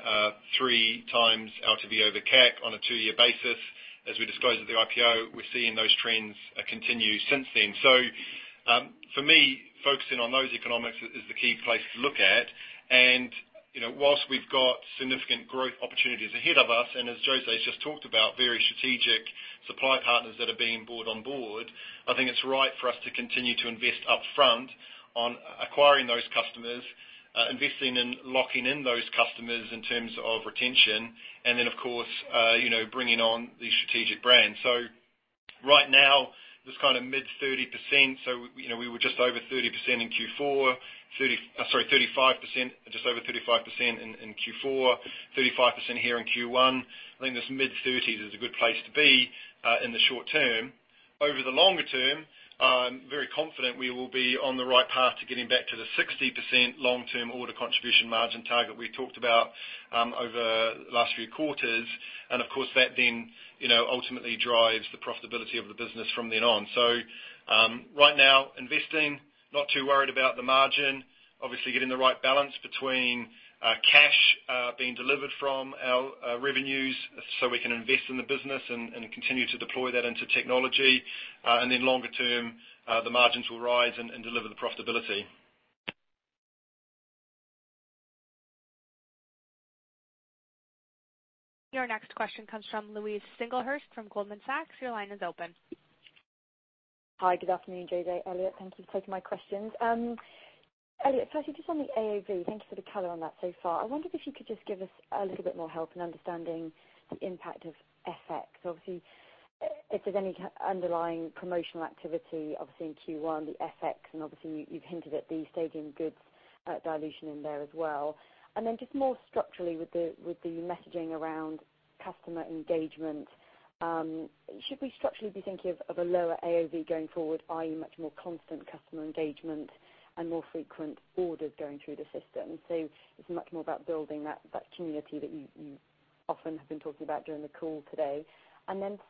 3 times LTV over CAC on a 2-year basis. As we disclosed at the IPO, we're seeing those trends continue since then. For me, focusing on those economics is the key place to look at. Whilst we've got significant growth opportunities ahead of us, as José's just talked about, very strategic supply partners that are being brought on board, I think it's right for us to continue to invest upfront on acquiring those customers, investing in locking in those customers in terms of retention. Then, of course, bringing on the strategic brands. Right now, this mid-30%, so we were just over 30% in Q4. Sorry, 35%, just over 35% in Q4, 35% here in Q1. I think this mid-30s is a good place to be in the short term. Over the longer term, I'm very confident we will be on the right path to getting back to the 60% long-term order contribution margin target we talked about over the last few quarters. Of course, that then ultimately drives the profitability of the business from then on. Right now, investing, not too worried about the margin. Obviously, getting the right balance between cash being delivered from our revenues so we can invest in the business and continue to deploy that into technology. Then longer term, the margins will rise and deliver the profitability. Your next question comes from Louise Singlehurst from Goldman Sachs. Your line is open. Hi, good afternoon, José, Elliot. Thank you for taking my questions. Elliot, firstly, just on the AOV, thank you for the color on that so far. I wondered if you could just give us a little bit more help in understanding the impact of FX. Obviously, if there's any underlying promotional activity, obviously in Q1, the FX, and obviously you've hinted at the Stadium Goods dilution in there as well. Then just more structurally with the messaging around customer engagement. Should we structurally be thinking of a lower AOV going forward, i.e. much more constant customer engagement and more frequent orders going through the system? It's much more about building that community that you often have been talking about during the call today.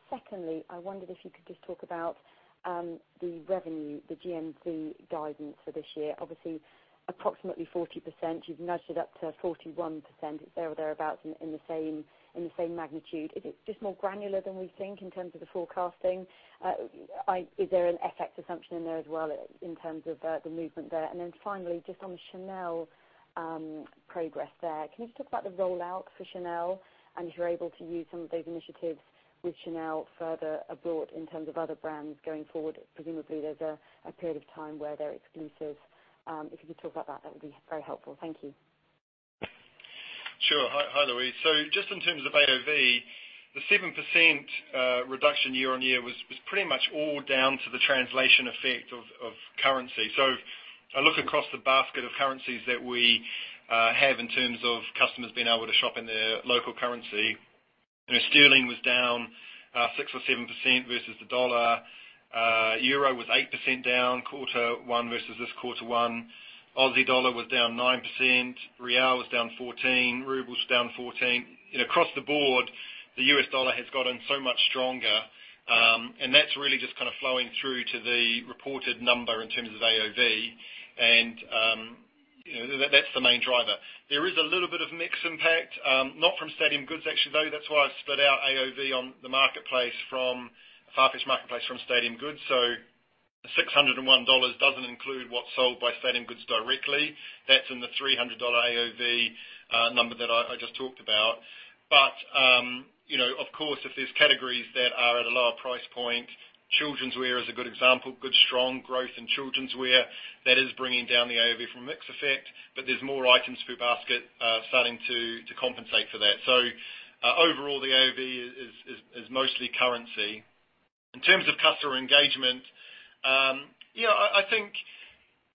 Secondly, I wondered if you could just talk about the revenue, the GMV guidance for this year. Obviously, approximately 40%, you've nudged it up to 41%, it's there or thereabouts in the same magnitude. Is it just more granular than we think in terms of the forecasting? Is there an FX assumption in there as well in terms of the movement there? Finally, just on the Chanel progress there. Can you just talk about the rollout for Chanel? If you're able to use some of those initiatives with Chanel further abroad in terms of other brands going forward? Presumably, there's a period of time where they're exclusive. If you could talk about that would be very helpful. Thank you. Sure. Hi, Louise. Just in terms of AOV, the 7% reduction year-over-year was pretty much all down to the translation effect of currency. I look across the basket of currencies that we have in terms of customers being able to shop in their local currency. Sterling was down 6% or 7% versus the U.S. dollar. EUR was 8% down Q1 versus this Q1. AUD was down 9%. BRL was down 14%. RUB was down 14%. Across the board, the U.S. dollar has gotten so much stronger. That's really just kind of flowing through to the reported number in terms of AOV. That's the main driver. There is a little bit of mix impact. Not from Stadium Goods, actually, though. That's why I split out AOV on the Farfetch marketplace from Stadium Goods. The $601 doesn't include what's sold by Stadium Goods directly. That's in the $300 AOV number that I just talked about. Of course, if there's categories that are at a lower price point, children's wear is a good example. Good, strong growth in children's wear. That is bringing down the AOV from a mix effect, but there's more items per basket starting to compensate for that. Overall, the AOV is mostly currency. In terms of customer engagement, I think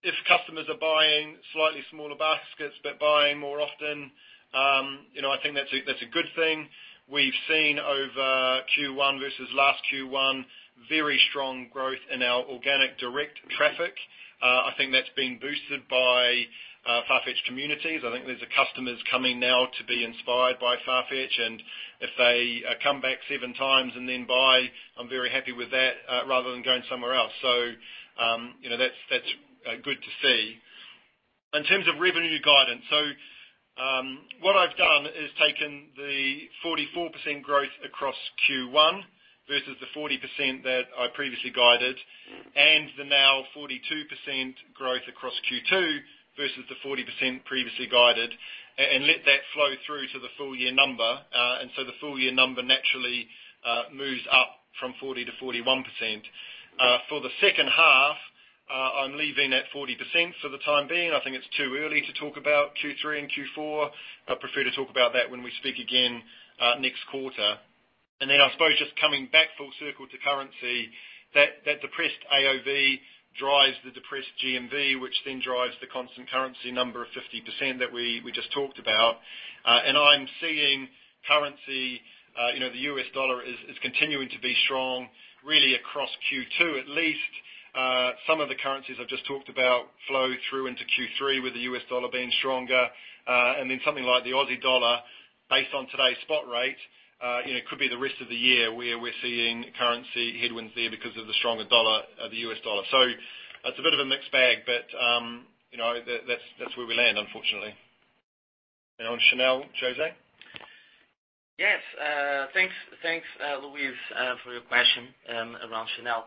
if customers are buying slightly smaller baskets but buying more often, I think that's a good thing. We've seen over Q1 versus last Q1, very strong growth in our organic direct traffic. I think that's being boosted by Farfetch Communities. I think there's customers coming now to be inspired by Farfetch, and if they come back seven times and then buy, I'm very happy with that rather than going somewhere else. That's good to see. In terms of revenue guidance. What I've done is taken the 44% growth across Q1 versus the 40% that I previously guided, and the now 42% growth across Q2 versus the 40% previously guided, and let that flow through to the full year number. The full year number naturally moves up from 40%-41%. For the second half, I'm leaving at 40% for the time being. I think it's too early to talk about Q3 and Q4. I prefer to talk about that when we speak again next quarter. I suppose just coming back full circle to currency, that depressed AOV drives the depressed GMV, which then drives the constant currency number of 50% that we just talked about. I'm seeing currency, the U.S. dollar is continuing to be strong, really across Q2. At least some of the currencies I've just talked about flow through into Q3 with the U.S. dollar being stronger. Something like the Aussie dollar, based on today's spot rate, could be the rest of the year where we're seeing currency headwinds there because of the stronger dollar, the U.S. dollar. It's a bit of a mixed bag, but that's where we land, unfortunately. On Chanel, José? Yes. Thanks, Louise, for your question around Chanel.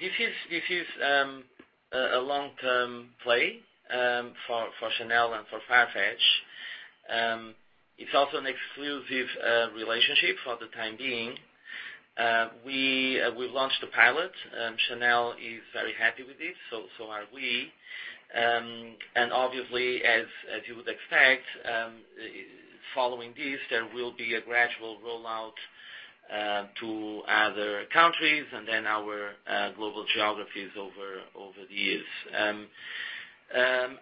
This is a long-term play for Chanel and for Farfetch. It's also an exclusive relationship for the time being. We've launched a pilot. Chanel is very happy with this, so are we. Obviously, as you would expect, following this, there will be a gradual rollout to other countries and then our global geographies over the years.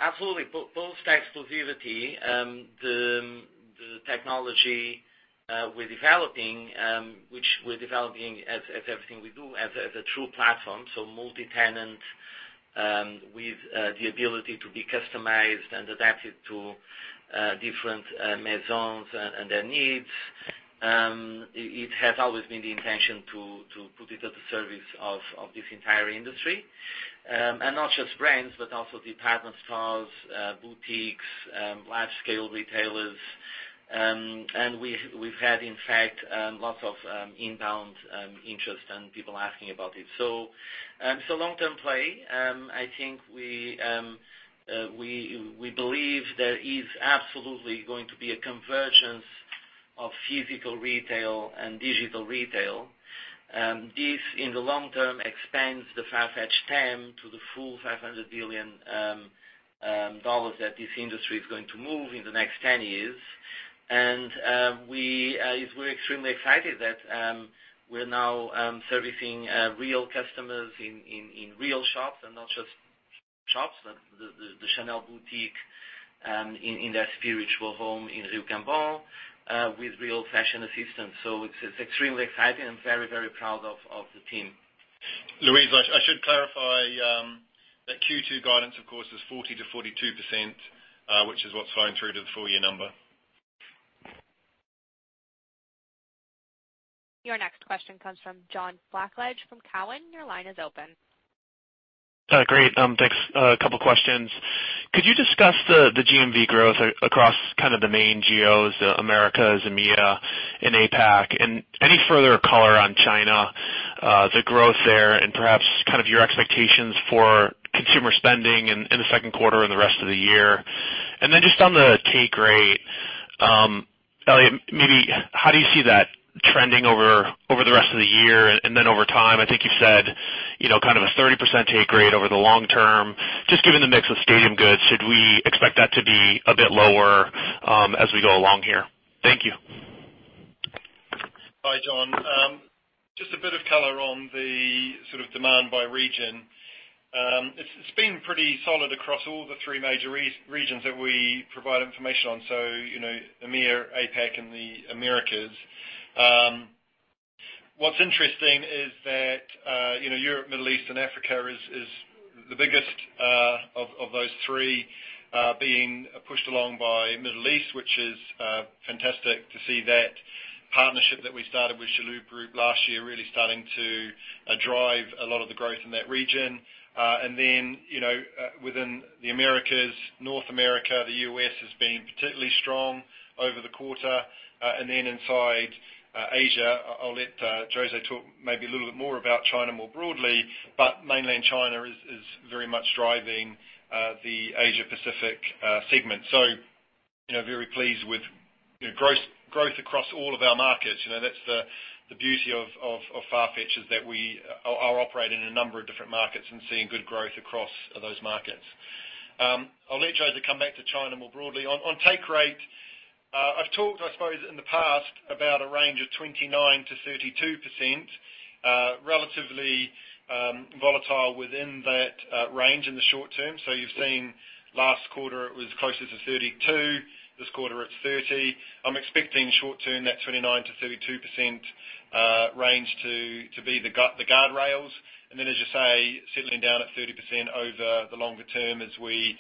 Absolutely. Both exclusivity, the technology we're developing, which we're developing as everything we do, as a true platform, multi-tenant with the ability to be customized and adapted to different maisons and their needs. It has always been the intention to put it at the service of this entire industry. Not just brands, but also department stores, boutiques, large-scale retailers. We've had, in fact, lots of inbound interest and people asking about it. Long-term play, I think we believe there is absolutely going to be a convergence of physical retail and digital retail. This, in the long term, expands the Farfetch TAM to the full $500 billion that this industry is going to move in the next 10 years. We're extremely excited that we're now servicing real customers in real shops, and not just shops, but the Chanel boutique in their spiritual home in Rue Cambon with real fashion assistants. It's extremely exciting and very proud of the team. Louise, I should clarify that Q2 guidance, of course, is 40%-42%, which is what's flowing through to the full-year number. Your next question comes from John Blackledge from Cowen. Your line is open. Great. Thanks. A couple questions. Could you discuss the GMV growth across kind of the main geos, the Americas, EMEA, and APAC, any further color on China, the growth there, and perhaps kind of your expectations for consumer spending in the second quarter and the rest of the year? Just on the take rate, Elliot, maybe how do you see that trending over the rest of the year and then over time? I think you said kind of a 30% take rate over the long term. Just given the mix of Stadium Goods, should we expect that to be a bit lower as we go along here? Thank you. Hi, John. Just a bit of color on the sort of demand by region. It's been pretty solid across all the three major regions that we provide information on, so EMEA, APAC, and the Americas. What's interesting is that Europe, Middle East, and Africa is the biggest of those three being pushed along by Middle East, which is fantastic to see that partnership that we started with Chalhoub Group last year really starting to drive a lot of the growth in that region. Within the Americas, North America, the U.S. has been particularly strong over the quarter. Inside Asia, I'll let José talk maybe a little bit more about China more broadly, but Mainland China is very much driving the Asia Pacific segment. Very pleased with growth across all of our markets. That's the beauty of Farfetch, is that we are operating in a number of different markets and seeing good growth across those markets. I'll let José come back to China more broadly. On take rate, I've talked, I suppose, in the past about a range of 29%-32%, relatively volatile within that range in the short term. You've seen last quarter it was closer to 32%. This quarter, it's 30%. I'm expecting short term that 29%-32% range to be the guardrails. As you say, settling down at 30% over the longer term as we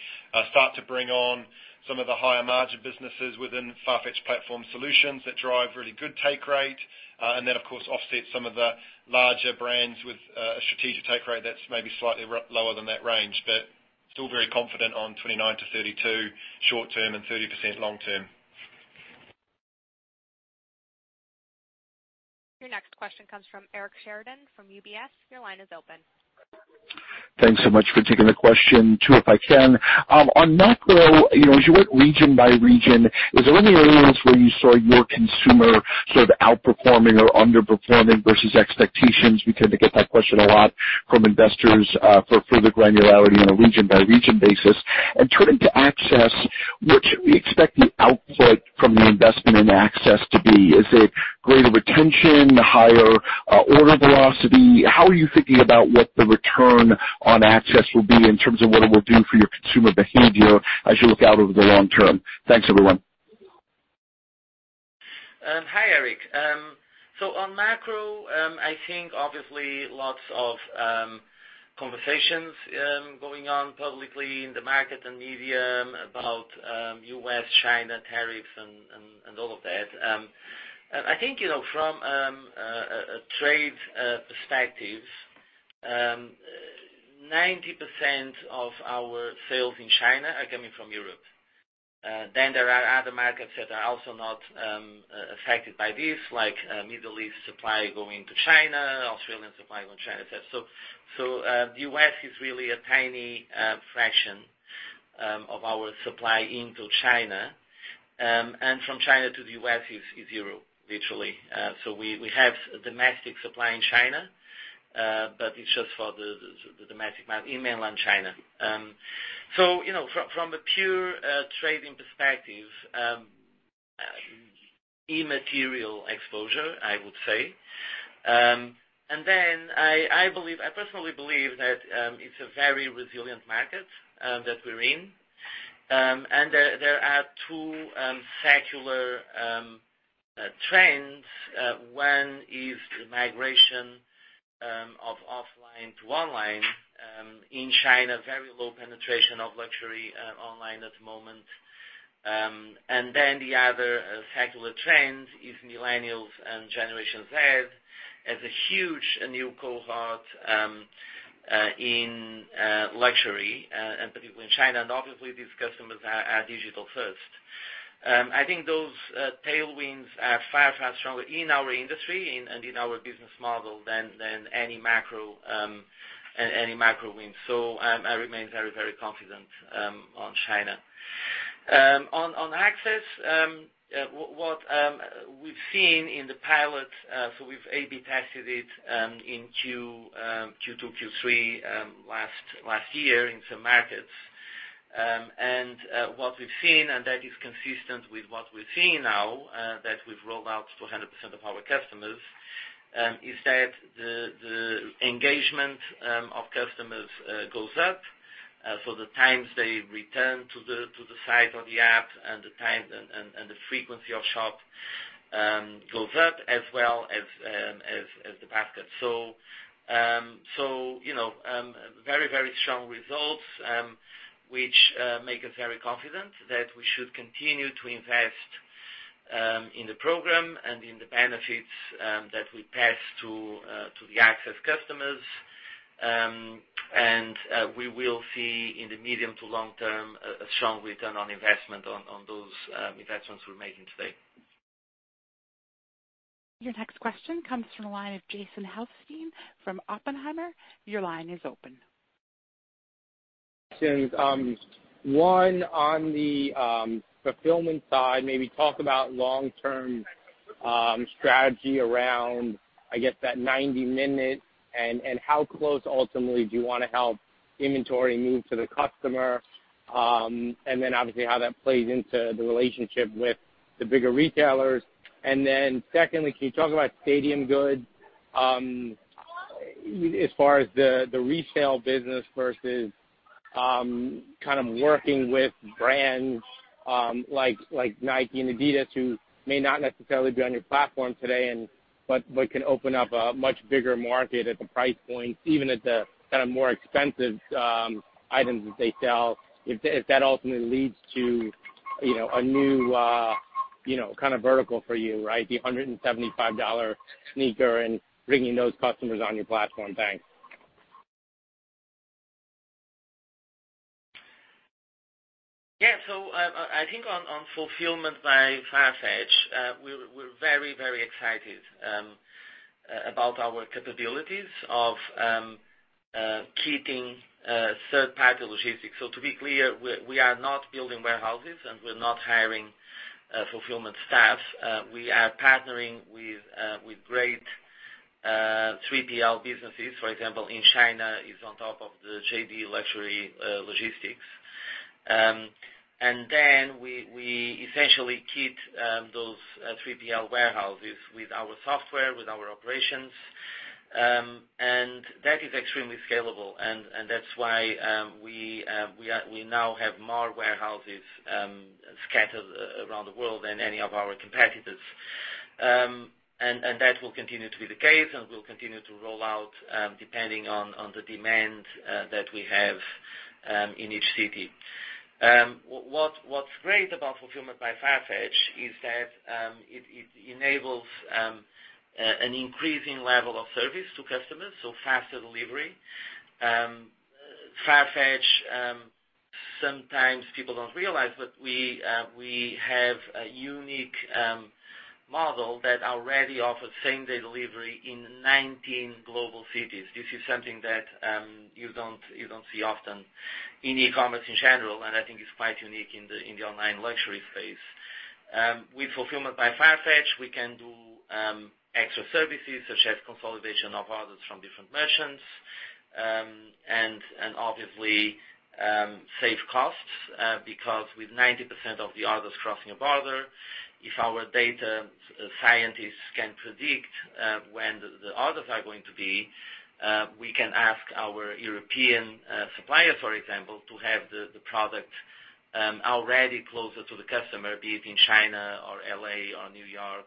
start to bring on some of the higher-margin businesses within Farfetch Platform Solutions that drive really good take rate. Of course, offset some of the larger brands with a strategic take rate that's maybe slightly lower than that range, but still very confident on 29%-32% short term and 30% long term. Your next question comes from Eric Sheridan from UBS. Your line is open. Thanks so much for taking the question. Two, if I can. On macro, as you went region by region, is there any areas where you saw your consumer sort of outperforming or underperforming versus expectations? We tend to get that question a lot from investors for further granularity on a region-by-region basis. Turning to Access, what should we expect the output from the investment in Access to be? Is it greater retention, higher order velocity? How are you thinking about what the return on Access will be in terms of what it will do for your consumer behavior as you look out over the long term? Thanks, everyone. Hi, Eric. On macro, I think obviously lots of conversations going on publicly in the market and media about U.S., China tariffs and all of that. I think, from a trade perspective, 90% of our sales in China are coming from Europe. There are other markets that are also not affected by this, like Middle East supply going to China, Australian supply going China. The U.S. is really a tiny fraction of our supply into China, and from China to the U.S. is zero, literally. We have domestic supply in China, but it's just for the domestic market in Mainland China. From a pure trading perspective. Immaterial exposure, I would say. I personally believe that it's a very resilient market that we're in. There are two secular trends. One is the migration of offline to online. In China, very low penetration of luxury online at the moment. The other secular trend is millennials and Generation Z as a huge new cohort in luxury, and particularly in China. Obviously, these customers are digital first. I think those tailwinds are far stronger in our industry and in our business model than any macro wind. I remain very confident on China. On Access, what we've seen in the pilot, we've A/B tested it in Q2, Q3 last year in some markets. What we've seen, and that is consistent with what we're seeing now, that we've rolled out to 100% of our customers, is that the engagement of customers goes up. The times they return to the site or the app and the frequency of shop goes up as well as the basket. Very strong results, which make us very confident that we should continue to invest in the program and in the benefits that we pass to the Access customers. We will see in the medium to long term, a strong return on investment on those investments we're making today. Your next question comes from the line of Jason Helfstein from Oppenheimer. Your line is open. Since one on the fulfillment side, maybe talk about long-term strategy around, I guess that 90-minute and how close ultimately do you want to help inventory move to the customer, obviously how that plays into the relationship with the bigger retailers. Secondly, can you talk about Stadium Goods, as far as the resale business versus working with brands like Nike and adidas who may not necessarily be on your platform today but can open up a much bigger market at the price points, even at the more expensive items that they sell. If that ultimately leads to a new vertical for you, right? The $175 sneaker and bringing those customers on your platform. Thanks. I think on Fulfillment by Farfetch, we're very excited about our capabilities of kitting third-party logistics. To be clear, we are not building warehouses, and we're not hiring fulfillment staff. We are partnering with great 3PL businesses. For example, in China is on top of the JD Luxury logistics. We essentially kit those 3PL warehouses with our software, with our operations. That is extremely scalable, and that's why we now have more warehouses scattered around the world than any of our competitors. That will continue to be the case, and we'll continue to roll out, depending on the demand that we have in each city. What's great about Fulfillment by Farfetch is that it enables an increasing level of service to customers, faster delivery. Farfetch, sometimes people don't realize, but we have a unique model that already offers same-day delivery in 19 global cities. This is something that you don't see often in e-commerce in general, and I think it's quite unique in the online luxury space. With Fulfillment by Farfetch, we can do extra services such as consolidation of orders from different merchants. Obviously, save costs, because with 90% of the orders crossing a border, if our data scientists can predict when the orders are going to be, we can ask our European suppliers, for example, to have the product already closer to the customer, be it in China or L.A. or New York,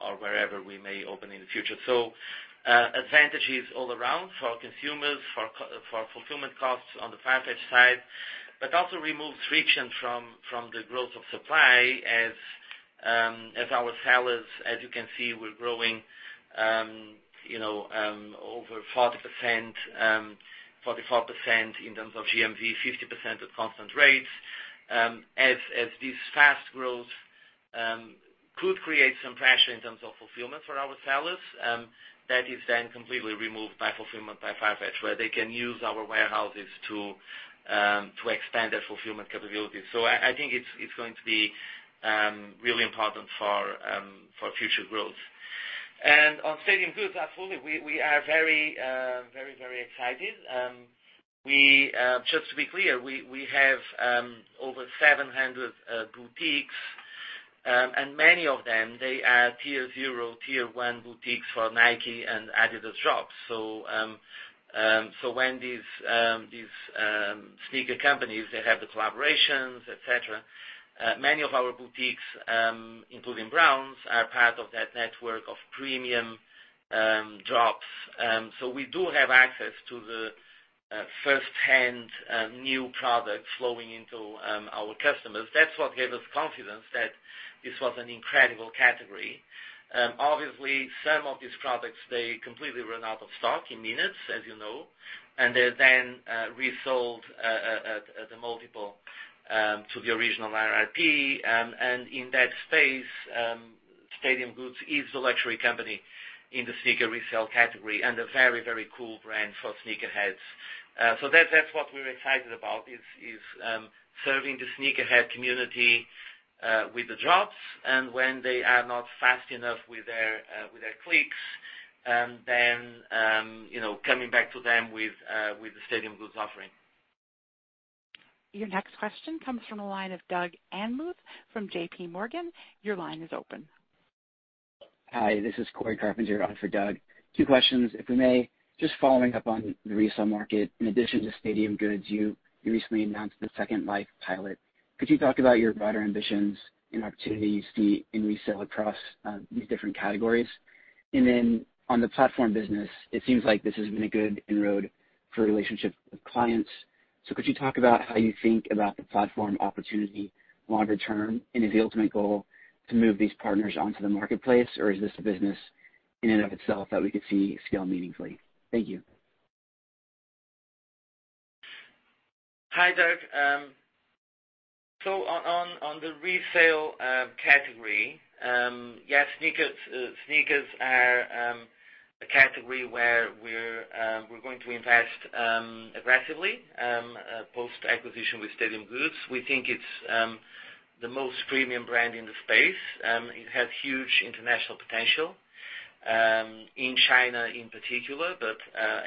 or wherever we may open in the future. Advantages all around for our consumers, for fulfillment costs on the Farfetch side, but also removes friction from the growth of supply as our sellers, as you can see, were growing over 40%, 44% in terms of GMV, 50% at constant rates. This fast growth could create some pressure in terms of fulfillment for our sellers, that is then completely removed by Fulfillment by Farfetch, where they can use our warehouses to expand their fulfillment capabilities. I think it's going to be really important for future growth. On Stadium Goods, absolutely, we are very excited. Just to be clear, we have over 700 boutiques, and many of them, they are tier 0, tier 1 boutiques for Nike and adidas drops. When these sneaker companies, they have the collaborations, et cetera, many of our boutiques, including Browns, are part of that network of premium drops. We do have access to the firsthand new products flowing into our customers. That's what gave us confidence that this was an incredible category. Obviously, some of these products, they completely run out of stock in minutes, as you know, and they're then resold at a multiple to the original RRP. In that space, Stadium Goods is the luxury company in the sneaker resale category and a very, very cool brand for sneakerheads. That's what we're excited about, is serving the sneakerhead community with the drops, and when they are not fast enough with their clicks, then coming back to them with the Stadium Goods offering. Your next question comes from the line of Douglas Anmuth from J.P. Morgan. Your line is open. Hi, this is Cory Carpenter on for Doug. Two questions, if we may. Just following up on the resale market. In addition to Stadium Goods, you recently announced the Second Life pilot. On the platform business, it seems like this has been a good inroad for relationships with clients. Could you talk about how you think about the platform opportunity longer term? Is the ultimate goal to move these partners onto the marketplace? Or is this a business in and of itself that we could see scale meaningfully? Thank you. Hi, Doug. On the resale category. Yes, sneakers are a category where we're going to invest aggressively post-acquisition with Stadium Goods. We think it's the most premium brand in the space. It has huge international potential. In China in particular, but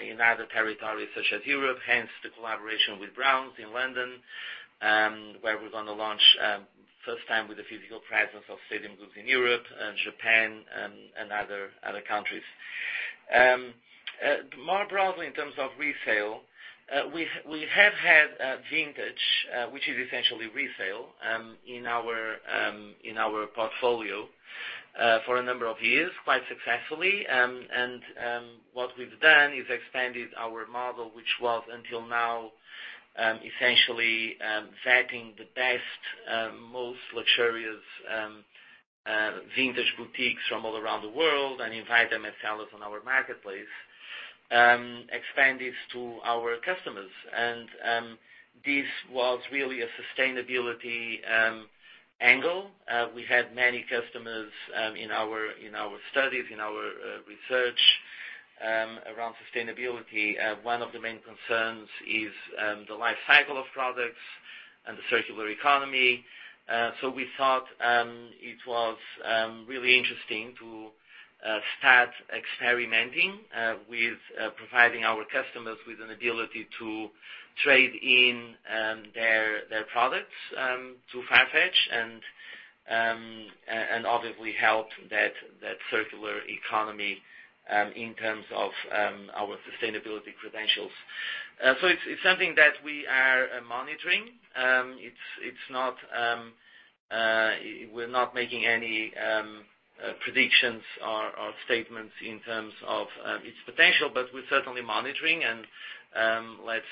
in other territories such as Europe, hence the collaboration with Browns in London, where we're going to launch first time with the physical presence of Stadium Goods in Europe and Japan and other countries. More broadly, in terms of resale, we have had vintage, which is essentially resale, in our portfolio for a number of years, quite successfully. What we've done is expanded our model, which was until now essentially vetting the best, most luxurious vintage boutiques from all around the world and invite them as sellers on our marketplace, expand this to our customers. This was really a sustainability angle. We had many customers in our studies, in our research around sustainability. One of the main concerns is the life cycle of products and the circular economy. We thought it was really interesting to start experimenting with providing our customers with an ability to trade in their products to Farfetch and obviously help that circular economy in terms of our sustainability credentials. It's something that we are monitoring. We're not making any predictions or statements in terms of its potential, but we're certainly monitoring, and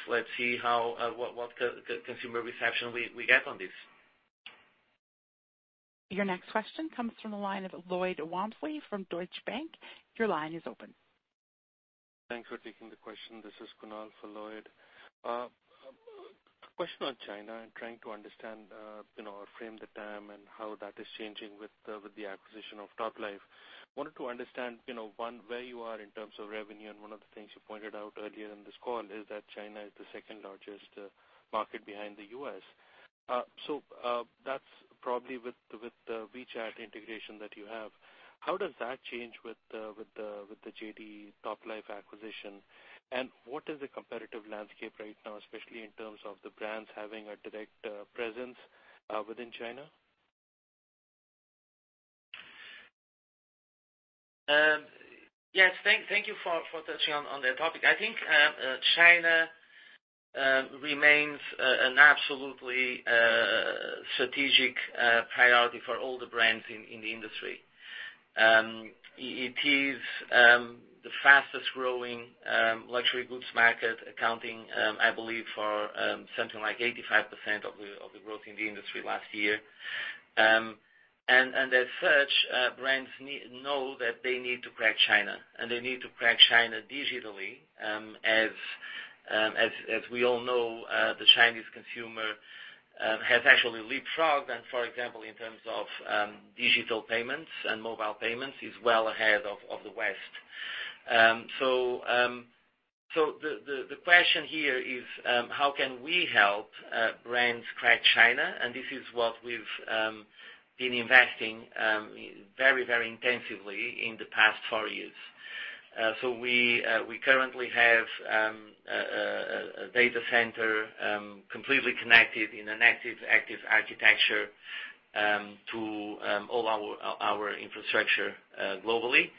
let's see what consumer reception we get on this. Your next question comes from the line of Lloyd Walmsley from Deutsche Bank. Your line is open. Thanks for taking the question. This is Kunal for Lloyd. Question on China and trying to understand our frame of time and how that is changing with the acquisition of Toplife. Wanted to understand, one, where you are in terms of revenue, and one of the things you pointed out earlier in this call is that China is the second-largest market behind the U.S. That's probably with the WeChat integration that you have. How does that change with the JD Toplife acquisition, and what is the competitive landscape right now, especially in terms of the brands having a direct presence within China? Yes. Thank you for touching on that topic. China remains an absolutely strategic priority for all the brands in the industry. It is the fastest-growing luxury goods market, accounting, I believe, for something like 85% of the growth in the industry last year. As such, brands know that they need to crack China, and they need to crack China digitally. As we all know, the Chinese consumer has actually leapfrogged and, for example, in terms of digital payments and mobile payments, is well ahead of the West. The question here is how can we help brands crack China? This is what we've been investing very intensively in the past four years. We currently have a data center completely connected in an active architecture to all our infrastructure globally.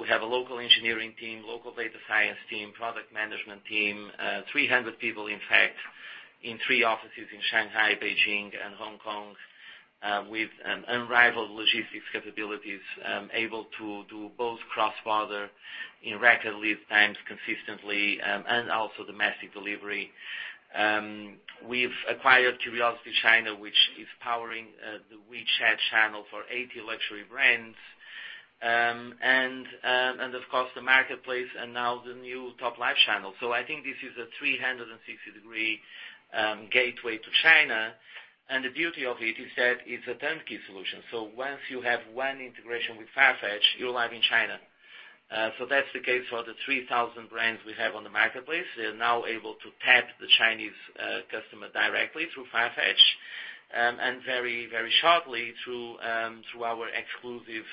We have a local engineering team, local data science team, product management team, 300 people, in fact, in three offices in Shanghai, Beijing, and Hong Kong with unrivaled logistics capabilities able to do both cross-border in record lead times consistently and also domestic delivery. We've acquired CuriosityChina, which is powering the WeChat channel for 80 luxury brands. Of course, the marketplace and now the new Toplife channel. This is a 360-degree gateway to China. The beauty of it is that it's a turnkey solution. Once you have one integration with Farfetch, you're live in China. That's the case for the 3,000 brands we have on the marketplace. They're now able to tap the Chinese customer directly through Farfetch, and very shortly through our exclusive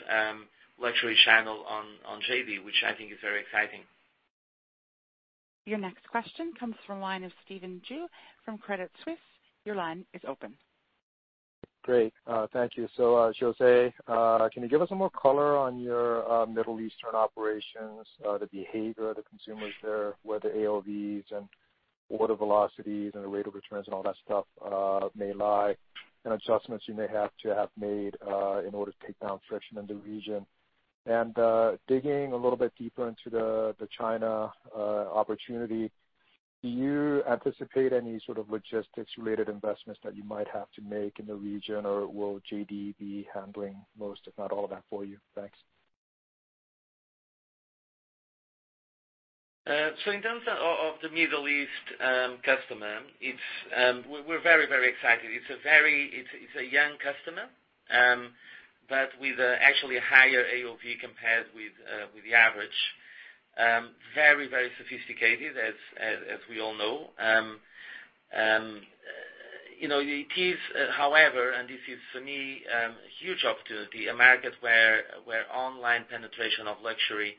luxury channel on JD, which is very exciting. Your next question comes from the line of Stephen Ju from Credit Suisse. Your line is open. Great. Thank you. José, can you give us some more color on your Middle Eastern operations, the behavior of the consumers there, where the AOVs and order velocities and the rate of returns and all that stuff may lie, and adjustments you may have to have made in order to take down friction in the region? Digging a little bit deeper into the China opportunity, do you anticipate any sort of logistics-related investments that you might have to make in the region, or will JD be handling most, if not all of that for you? Thanks. In terms of the Middle East customer, we're very excited. It's a young customer, but with actually a higher AOV compared with the average. Very sophisticated as we all know. It is, however, and this is for me, a huge opportunity, a market where online penetration of luxury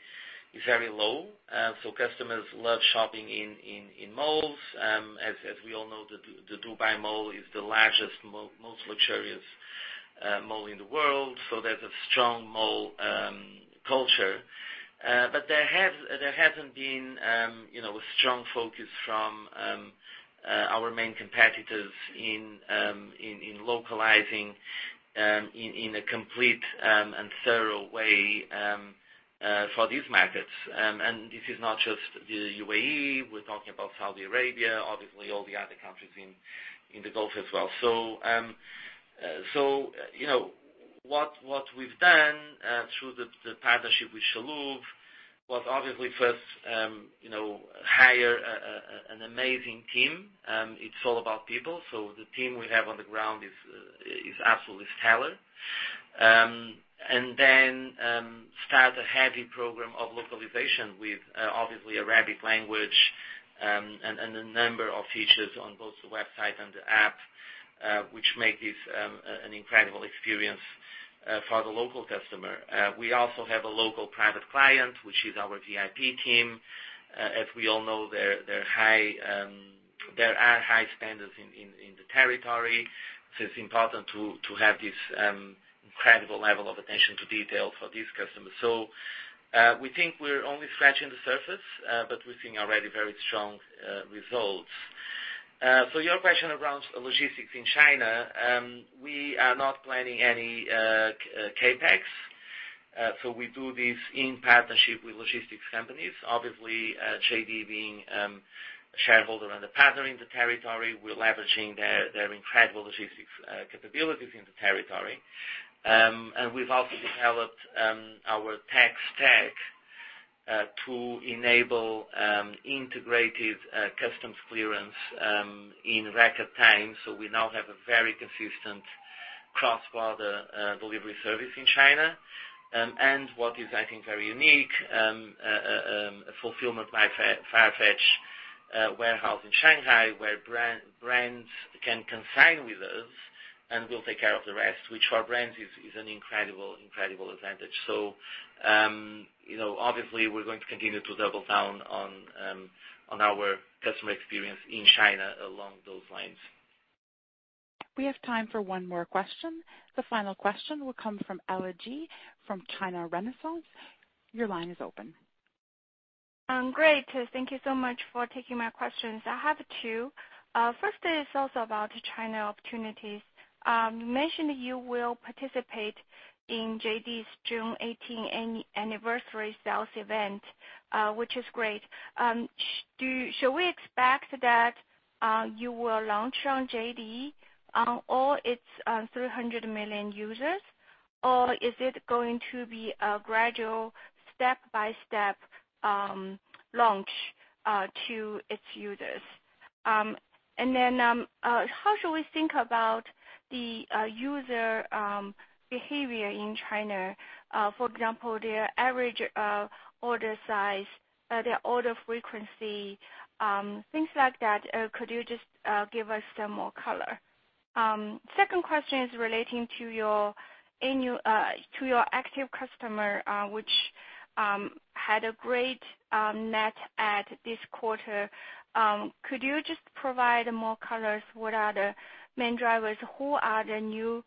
is very low. Customers love shopping in malls. As we all know, the Dubai Mall is the largest, most luxurious mall in the world. There's a strong mall culture. There hasn't been a strong focus from our main competitors in localizing in a complete and thorough way for these markets. This is not just the U.A.E. We're talking about Saudi Arabia, obviously all the other countries in the Gulf as well. What we've done through the partnership with Chalhoub was obviously first hire an amazing team. It's all about people. The team we have on the ground is absolutely stellar. Then start a heavy program of localization with, obviously, Arabic language, and a number of features on both the website and the app, which make this an incredible experience for the local customer. We also have a local private client, which is our VIP team. As we all know, there are high spenders in the territory, so it's important to have this incredible level of attention to detail for these customers. We think we're only scratching the surface, but we're seeing already very strong results. Your question around logistics in China, we are not planning any CapEx. We do this in partnership with logistics companies. Obviously, JD being a shareholder and a partner in the territory. We're leveraging their incredible logistics capabilities in the territory. We've also developed our tax tech to enable integrated customs clearance in record time. We now have a very consistent cross-border delivery service in China. What is, I think, very unique, a fulfillment by Farfetch warehouse in Shanghai, where brands can consign with us, and we'll take care of the rest, which for brands is an incredible advantage. Obviously we're going to continue to double down on our customer experience in China along those lines. We have time for one more question. The final question will come from Ella Ji, from China Renaissance. Your line is open. Great. Thank you so much for taking my questions. I have two. First is also about China opportunities. You mentioned you will participate in JD's June 18 anniversary sales event, which is great. Should we expect that you will launch on JD on all its 300 million users, or is it going to be a gradual step-by-step launch to its users? How should we think about the user behavior in China? For example, their average order size, their order frequency, things like that, could you just give us some more color? Second question is relating to your active customer, which had a great net add this quarter. Could you just provide more color? What are the main drivers? Who are the new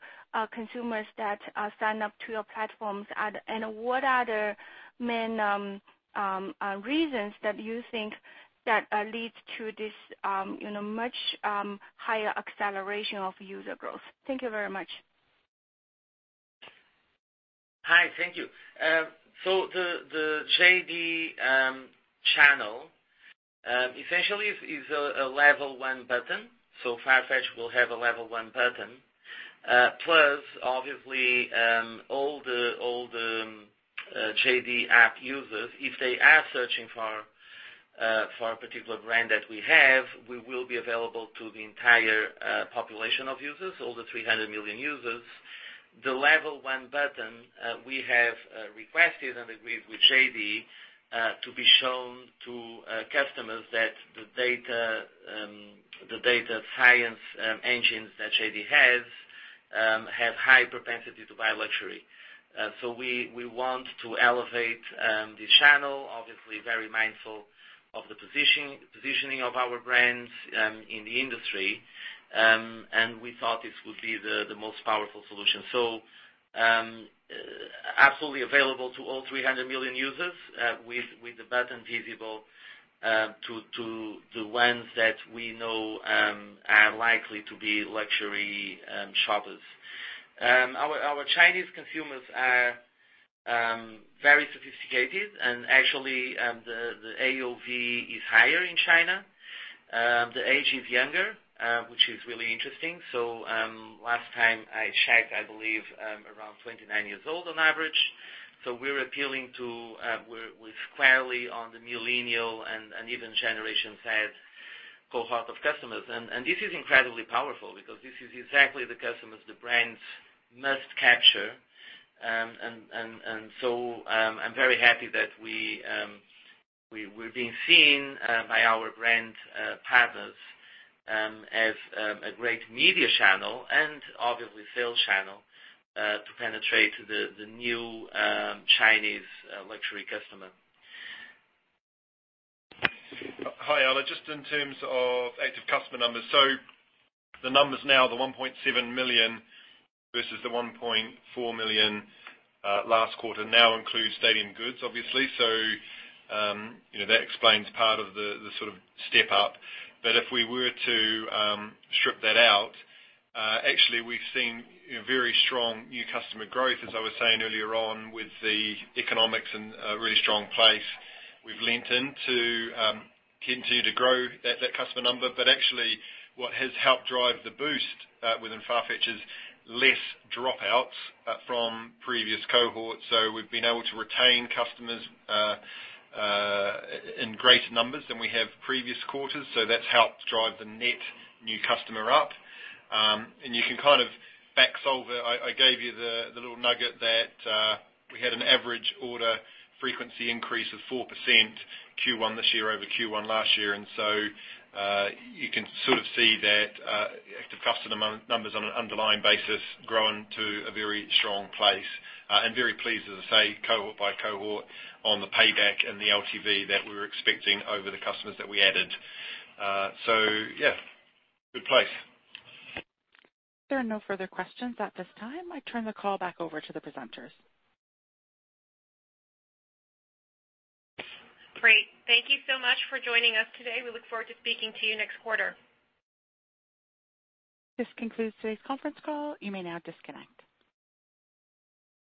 consumers that sign up to your platforms? What are the main reasons that you think that leads to this much higher acceleration of user growth? Thank you very much. Hi. Thank you. The JD channel, essentially is a level 1 button. Farfetch will have a level 1 button. Plus, obviously, all the JD app users, if they are searching for a particular brand that we have, we will be available to the entire population of users, all the 300 million users. The level 1 button, we have requested and agreed with JD, to be shown to customers that the data science engines that JD has, have high propensity to buy luxury. We want to elevate the channel, obviously very mindful of the positioning of our brands in the industry. We thought this would be the most powerful solution. Absolutely available to all 300 million users, with the button visible to the ones that we know are likely to be luxury shoppers. Our Chinese consumers are very sophisticated, actually, the AOV is higher in China. The age is younger, which is really interesting. Last time I checked, I believe around 29 years old on average. We're squarely on the millennial and even Generation Z cohort of customers. This is incredibly powerful because this is exactly the customers the brands must capture. I'm very happy that we're being seen by our brand partners as a great media channel and obviously sales channel, to penetrate the new Chinese luxury customer. Hi, Ella. Just in terms of active customer numbers. The numbers now, the 1.7 million versus the 1.4 million last quarter, now includes Stadium Goods, obviously. That explains part of the sort of step-up. If we were to strip that out, actually we've seen very strong new customer growth, as I was saying earlier on, with the economics in a really strong place. We've leaned in to continue to grow that customer number. Actually, what has helped drive the boost within Farfetch is less dropouts from previous cohorts. We've been able to retain customers in greater numbers than we have previous quarters. That's helped drive the net new customer up. You can kind of back solve it. I gave you the little nugget that we had an average order frequency increase of 4% Q1 this year over Q1 last year. You can sort of see that active customer numbers on an underlying basis grown to a very strong place. Very pleased, as I say, cohort by cohort on the payback and the LTV that we were expecting over the customers that we added. Yeah, good place. There are no further questions at this time. I turn the call back over to the presenters. Great. Thank you so much for joining us today. We look forward to speaking to you next quarter. This concludes today's conference call. You may now disconnect.